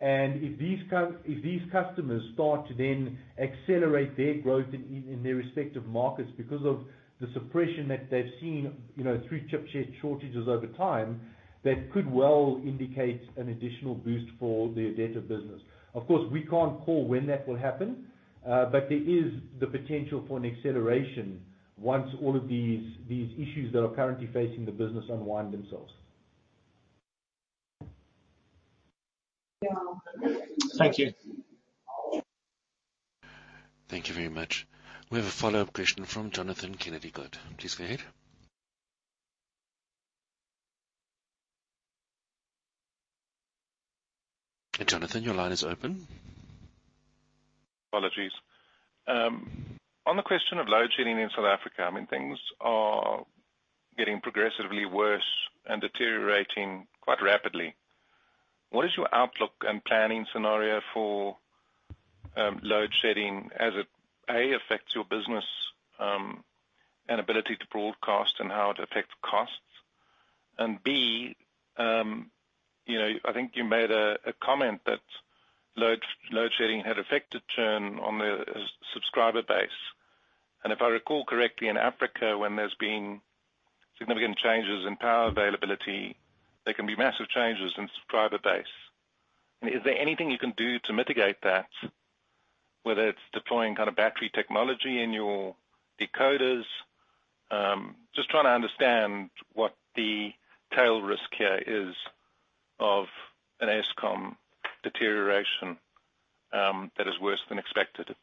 If these customers start to then accelerate their growth in their respective markets because of the suppression that they've seen, you know, through chip shortages over time, that could well indicate an additional boost for the Irdeto business. Of course, we can't call when that will happen, but there is the potential for an acceleration once all of these issues that are currently facing the business unwind themselves. Thank you. Thank you very much. We have a follow-up question from Jonathan Kennedy-Good. Please go ahead. Jonathan, your line is open. Apologies. On the question of load shedding in South Africa, I mean, things are getting progressively worse and deteriorating quite rapidly. What is your outlook and planning scenario for load shedding as it A affects your business and ability to broadcast and how it affects costs? B, you know, I think you made a comment that load shedding had affected churn on the subscriber base. If I recall correctly, in Africa, when there's been significant changes in power availability, there can be massive changes in subscriber base. Is there anything you can do to mitigate that, whether it's deploying kinda battery technology in your decoders? Just trying to understand what the tail risk here is of an Eskom deterioration that is worse than expected.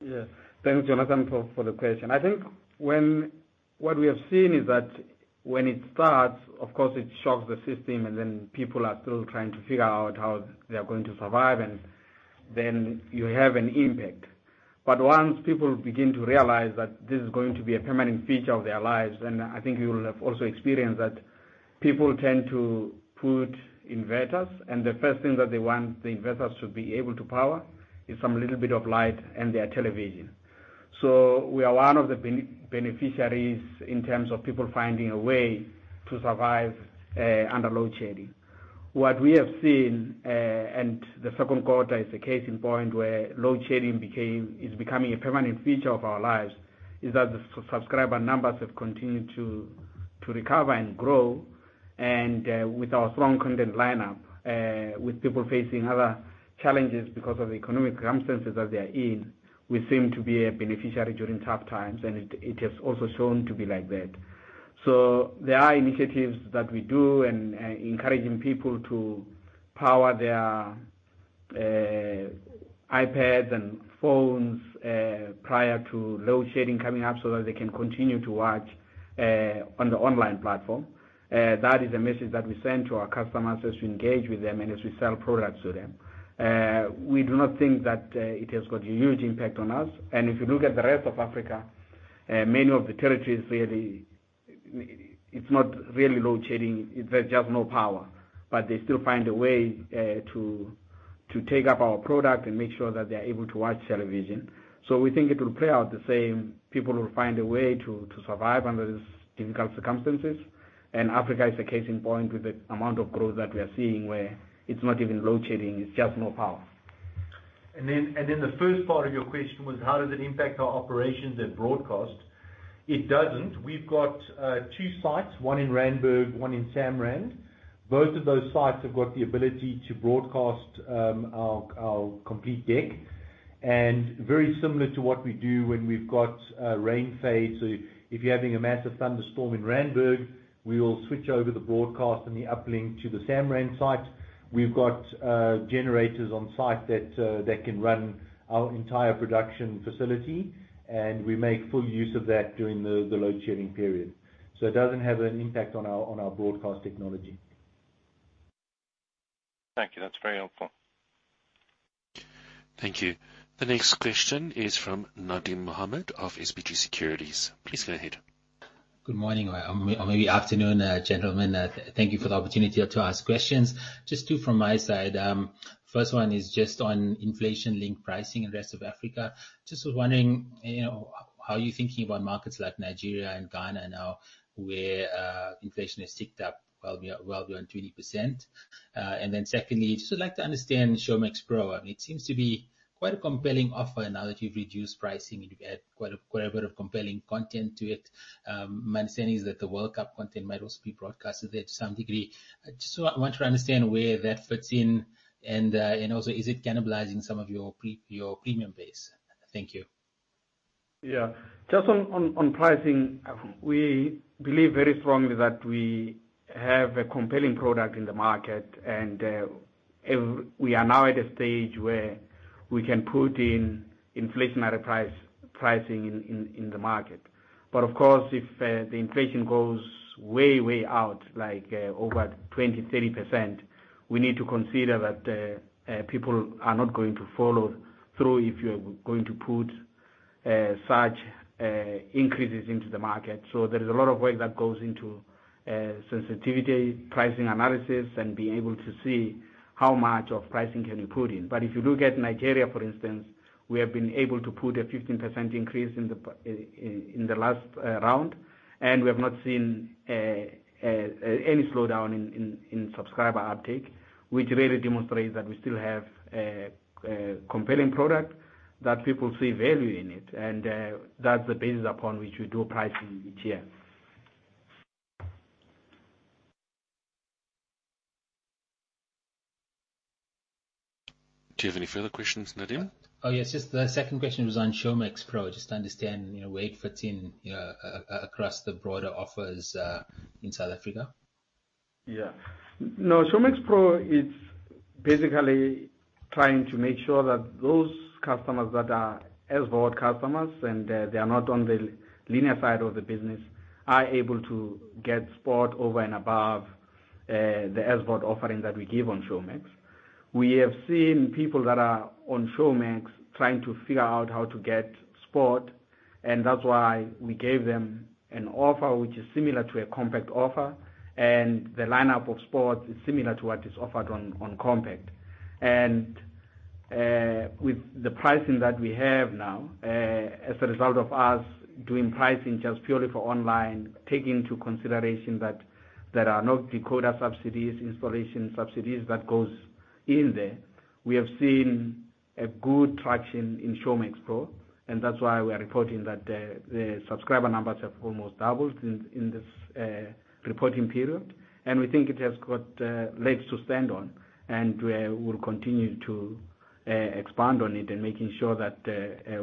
Yes. Thanks, Jonathan, for the question. I think what we have seen is that when it starts, of course it shocks the system, and then people are still trying to figure out how they are going to survive, and then you have an impact. But once people begin to realize that this is going to be a permanent feature of their lives, then I think you'll have also experienced that people tend to put in inverters, and the first thing that they want the inverters to be able to power is some little bit of light and their television. So we are one of the beneficiaries in terms of people finding a way to survive under load shedding. What we have seen and the second quarter is a case in point, where load shedding became. is becoming a permanent feature of our lives, is that the subscriber numbers have continued to recover and grow. With our strong content lineup, with people facing other challenges because of the economic circumstances that they are in, we seem to be a beneficiary during tough times, and it has also shown to be like that. There are initiatives that we do and encouraging people to power their iPads and phones prior to load shedding coming up, so that they can continue to watch on the online platform. That is a message that we send to our customers as we engage with them and as we sell products to them. We do not think that it has got a huge impact on us. If you look at the rest of Africa, many of the territories really, it's not really load shedding, there's just no power, but they still find a way to take up our product and make sure that they're able to watch television. We think it will play out the same. People will find a way to survive under these difficult circumstances. Africa is a case in point with the amount of growth that we are seeing, where it's not even load shedding, it's just no power. The first part of your question was how does it impact our operations and broadcast? It doesn't. We've got two sites, one in Randburg, one in Samrand. Both of those sites have got the ability to broadcast our complete deck. Very similar to what we do when we've got a rain fade, so if you're having a massive thunderstorm in Randburg, we will switch over the broadcast and the uplink to the Samrand site. We've got generators on site that can run our entire production facility, and we make full use of that during the load shedding period. It doesn't have an impact on our broadcast technology. Thank you. That's very helpful. Thank you. The next question is from Nadim Mohamed of SBG Securities. Please go ahead. Good morning, maybe afternoon, gentlemen. Thank you for the opportunity to ask questions. Just two from my side. First one is just on inflation-linked pricing in rest of Africa. Just was wondering, you know, how you're thinking about markets like Nigeria and Ghana now, where inflation has ticked up well beyond 20%. Then secondly, just would like to understand Showmax Pro. I mean, it seems to be quite a compelling offer now that you've reduced pricing, and you've added quite a bit of compelling content to it. My understanding is that the World Cup content might also be broadcasted there to some degree. Just want to understand where that fits in and also is it cannibalizing some of your premium base. Thank you. Yeah. Just on pricing, we believe very strongly that we have a compelling product in the market, and we are now at a stage where we can put in inflationary pricing in the market. Of course, if the inflation goes way out, like over 20%-30%, we need to consider that people are not going to follow through if you are going to put such increases into the market. There is a lot of work that goes into sensitivity pricing analysis and being able to see how much of pricing can you put in. If you look at Nigeria, for instance, we have been able to put a 15% increase in the last round, and we have not seen any slowdown in subscriber uptake, which really demonstrates that we still have a compelling product that people see value in it. That's the basis upon which we do pricing each year. Do you have any further questions, Nadim? Oh, yes. Just the second question was on Showmax Pro, just to understand, you know, where it fits in, across the broader offers, in South Africa. Yeah. No, Showmax Pro is basically trying to make sure that those customers that are SuperSport customers, and they are not on the linear side of the business, are able to get sport over and above the SuperSport offering that we give on Showmax. We have seen people that are on Showmax trying to figure out how to get sport, and that's why we gave them an offer which is similar to a Compact offer, and the lineup of sports is similar to what is offered on Compact. With the pricing that we have now, as a result of us doing pricing just purely for online, take into consideration that there are no decoder subsidies, installation subsidies that goes in there. We have seen a good traction in Showmax Pro, and that's why we are reporting that the subscriber numbers have almost doubled in this reporting period. We think it has got legs to stand on, and we'll continue to expand on it and making sure that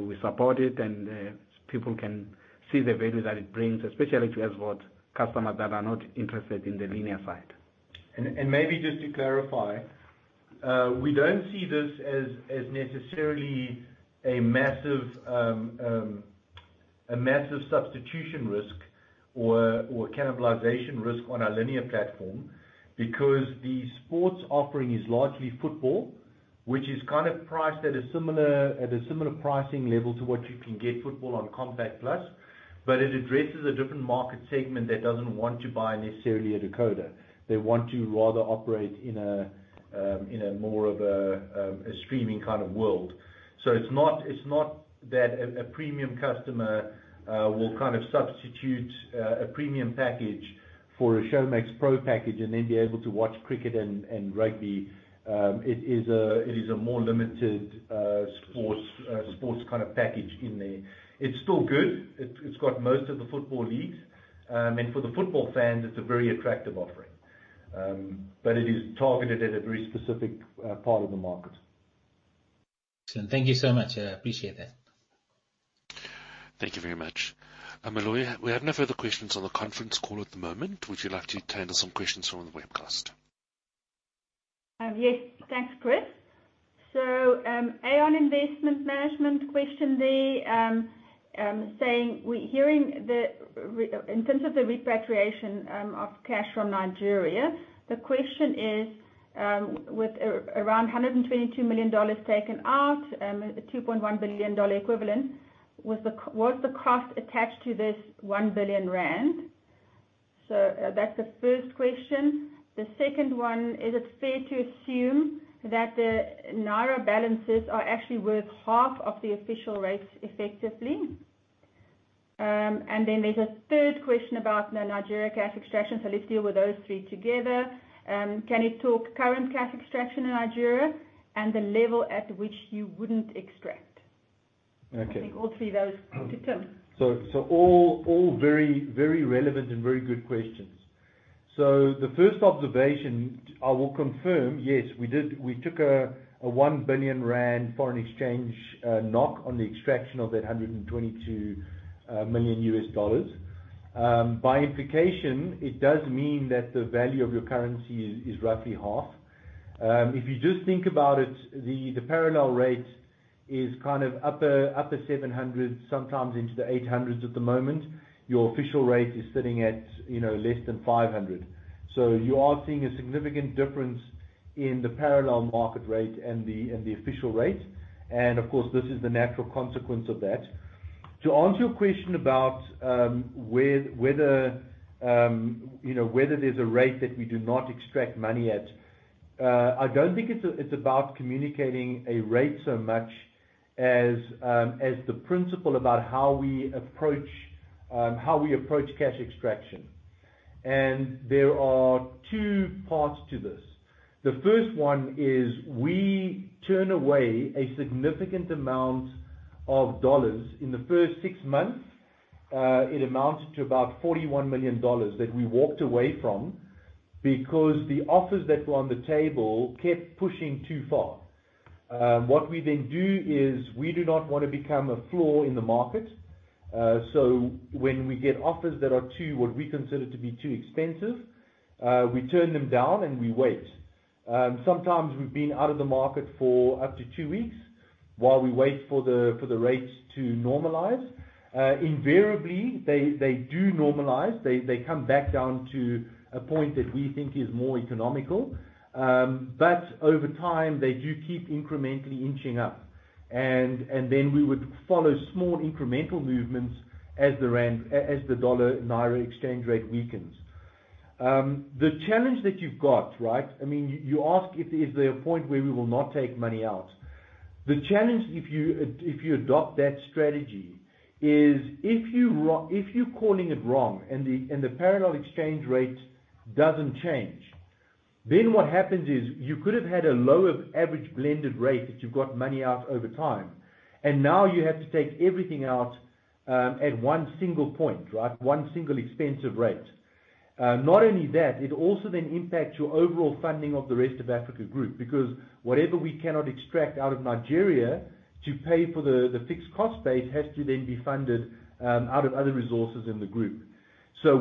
we support it and people can see the value that it brings, especially to a broad customers that are not interested in the linear side. Maybe just to clarify, we don't see this as necessarily a massive substitution risk or cannibalization risk on our linear platform because the sports offering is largely football, which is kinda priced at a similar pricing level to what you can get football on Compact Plus. It addresses a different market segment that doesn't want to buy necessarily a decoder. They want to rather operate in a more of a streaming kind of world. It's not that a premium customer will kind of substitute a premium package for a Showmax Pro package and then be able to watch cricket and rugby. It is a more limited sports kinda package in there. It's still good. It's got most of the football leagues. For the football fans, it's a very attractive offering. It is targeted at a very specific part of the market. Thank you so much. I appreciate that. Thank you very much. Meloy Horn, we have no further questions on the conference call at the moment. Would you like to handle some questions from the webcast? Yes. Thanks, Chris. Aeon Investment Management question there, saying we're hearing rumors. In terms of the repatriation of cash from Nigeria, the question is, with around $122 million taken out, $2.1 billion dollar equivalent, was the cost attached to this 1 billion rand. That's the first question. The second one, is it fair to assume that the naira balances are actually worth half of the official rates effectively. And then there's a third question about the Nigerian cash extraction. Let's deal with those three together. Can you talk to current cash extraction in Nigeria and the level at which you wouldn't extract. Okay. I think all three of those to Tim. All very relevant and very good questions. The first observation, I will confirm, yes, we did. We took a 1 billion rand foreign exchange knock on the extraction of that $122 million. By implication, it does mean that the value of your currency is roughly half. If you just think about it, the parallel rate is kind of upper 700, sometimes into the 800s at the moment. Your official rate is sitting at, you know, less than 500. You are seeing a significant difference in the parallel market rate and the official rate. Of course, this is the natural consequence of that. To answer your question about whether you know whether there's a rate that we do not extract money at, I don't think it's about communicating a rate so much as the principle about how we approach cash extraction. There are two parts to this. The first one is we turn away a significant amount of dollars. In the first six months, it amounted to about $41 million that we walked away from because the offers that were on the table kept pushing too far. What we then do is we do not wanna become a floor in the market. So when we get offers that are too what we consider to be too expensive, we turn them down and we wait. Sometimes we've been out of the market for up to two weeks while we wait for the rates to normalize. Invariably, they do normalize. They come back down to a point that we think is more economical. Over time, they do keep incrementally inching up. Then we would follow small incremental movements as the dollar naira exchange rate weakens. The challenge that you've got, right? I mean, you ask if, is there a point where we will not take money out. The challenge if you adopt that strategy is if you're calling it wrong and the parallel exchange rate doesn't change. What happens is you could have had a lower average blended rate that you've got money out over time, and now you have to take everything out at one single point, right? One single expensive rate. Not only that, it also then impacts your overall funding of the rest of Africa group, because whatever we cannot extract out of Nigeria to pay for the fixed cost base has to then be funded out of other resources in the group.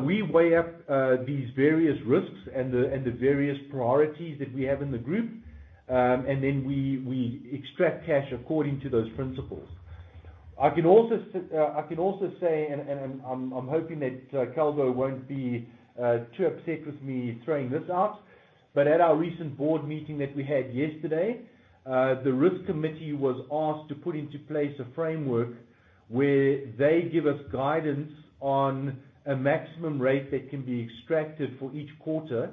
We weigh up these various risks and the various priorities that we have in the group. We extract cash according to those principles. I can also say, and I'm hoping that Calvo won't be too upset with me throwing this out, but at our recent board meeting that we had yesterday, the risk committee was asked to put into place a framework where they give us guidance on a maximum rate that can be extracted for each quarter.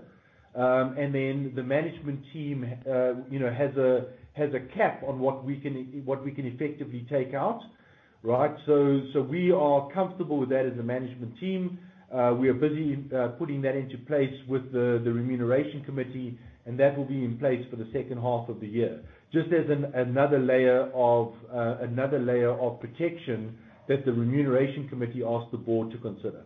Then the management team, you know, has a cap on what we can effectively take out, right? We are comfortable with that as a management team. We are busy putting that into place with the remuneration committee, and that will be in place for the second half of the year. Just as another layer of protection that the remuneration committee asked the board to consider.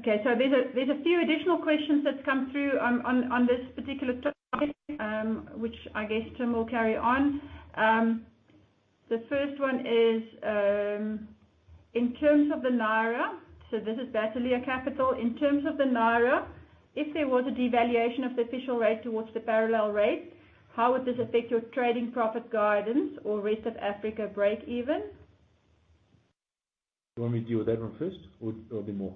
Okay, there's a few additional questions that come through on this particular topic, which I guess Tim will carry on. The first one is in terms of the Naira. This is Bataleur Capital. In terms of the Naira, if there was a devaluation of the official rate towards the parallel rate, how would this affect your trading profit guidance or Rest of Africa breakeven? You want me to deal with that one first or a bit more?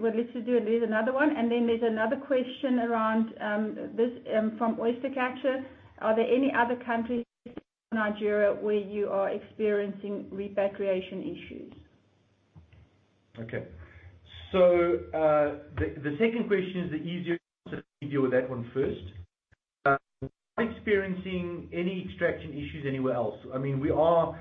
Well, let's just do it. There's another one, and then there's another question around this from Oystercatcher. Are there any other countries Nigeria, where you are experiencing repatriation issues? Okay. The second question is the easier, so let me deal with that one first. We're not experiencing any extraction issues anywhere else. I mean, we are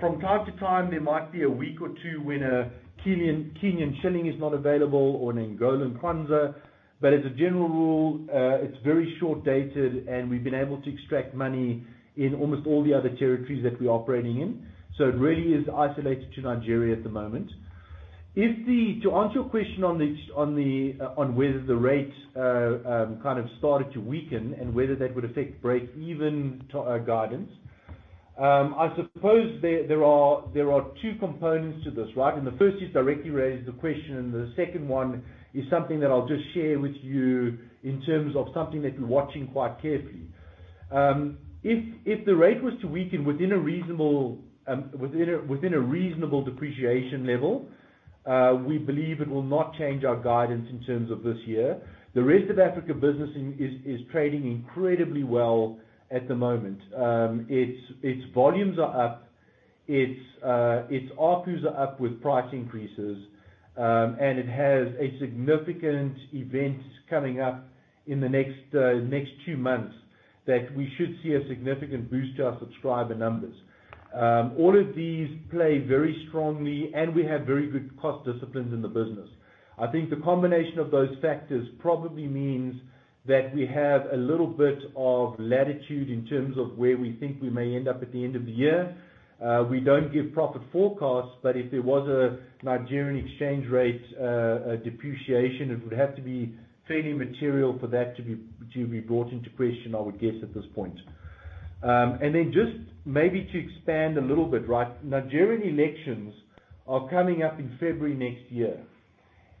from time to time there might be a week or two when a Kenyan shilling is not available or an Angolan kwanza, but as a general rule, it's very short-dated, and we've been able to extract money in almost all the other territories that we are operating in. It really is isolated to Nigeria at the moment. To answer your question on the whether the rates kind of started to weaken and whether that would affect break even to our guidance, I suppose there are two components to this, right? The first, you've directly raised the question, and the second one is something that I'll just share with you in terms of something that we're watching quite carefully. If the rate was to weaken within a reasonable depreciation level, we believe it will not change our guidance in terms of this year. The rest of Africa business is trading incredibly well at the moment. Its volumes are up, its ARPUs are up with price increases, and it has a significant event coming up in the next two months that we should see a significant boost to our subscriber numbers. All of these play very strongly, and we have very good cost disciplines in the business. I think the combination of those factors probably means that we have a little bit of latitude in terms of where we think we may end up at the end of the year. We don't give profit forecasts, but if there was a Nigerian exchange rate depreciation, it would have to be fairly material for that to be brought into question, I would guess, at this point. Just maybe to expand a little bit, right? Nigerian elections are coming up in February next year,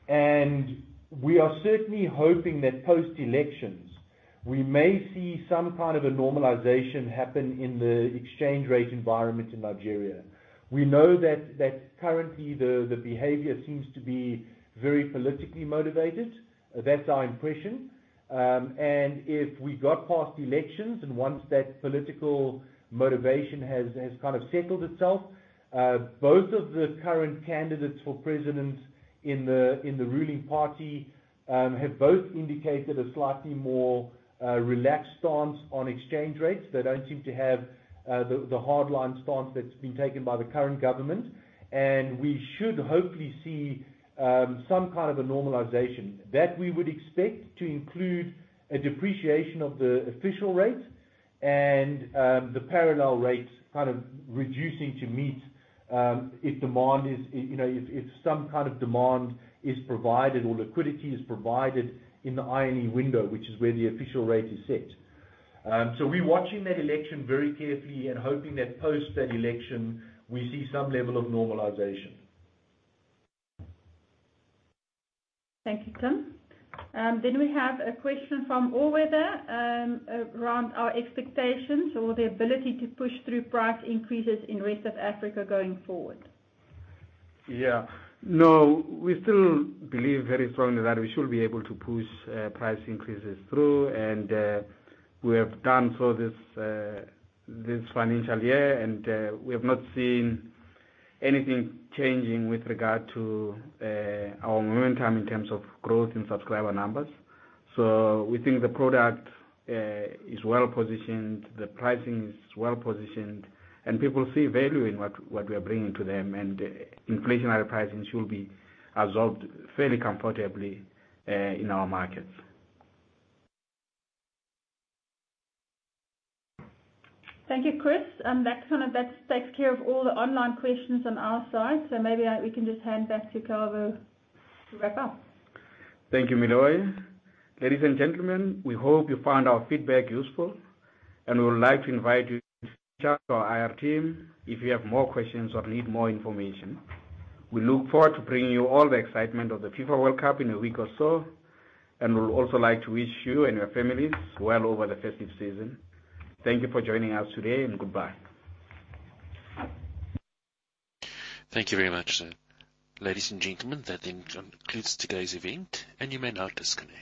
and we are certainly hoping that post-elections, we may see some kind of a normalization happen in the exchange rate environment in Nigeria. We know that currently the behavior seems to be very politically motivated. That's our impression. If we got past elections and once that political motivation has kind of settled itself, both of the current candidates for president in the ruling party have both indicated a slightly more relaxed stance on exchange rates. They don't seem to have the hard line stance that's been taken by the current government. We should hopefully see some kind of a normalization. That we would expect to include a depreciation of the official rate and the parallel rates kind of reducing to meet, if demand is, you know, if some kind of demand is provided or liquidity is provided in the I&E window, which is where the official rate is set. We're watching that election very carefully and hoping that post that election, we see some level of normalization. Thank you, Tim. We have a question from [Orweather] around our expectations or the ability to push through price increases in Rest of Africa going forward. Yeah. No, we still believe very strongly that we should be able to push price increases through, and we have done so this financial year. We have not seen anything changing with regard to our movement in terms of growth in subscriber numbers. We think the product is well-positioned, the pricing is well-positioned, and people see value in what we are bringing to them, and inflationary pricing should be absorbed fairly comfortably in our markets. Thank you, Chris. That kind of takes care of all the online questions on our side, so maybe we can just hand back to Calvo to wrap up. Thank you, Meloy. Ladies and gentlemen, we hope you found our feedback useful, and we would like to invite you to reach out to our IR team if you have more questions or need more information. We look forward to bringing you all the excitement of the FIFA World Cup in a week or so, and we'd also like to wish you and your families well over the festive season. Thank you for joining us today and goodbye. Thank you very much, sir. Ladies and gentlemen, that concludes today's event, and you may now disconnect.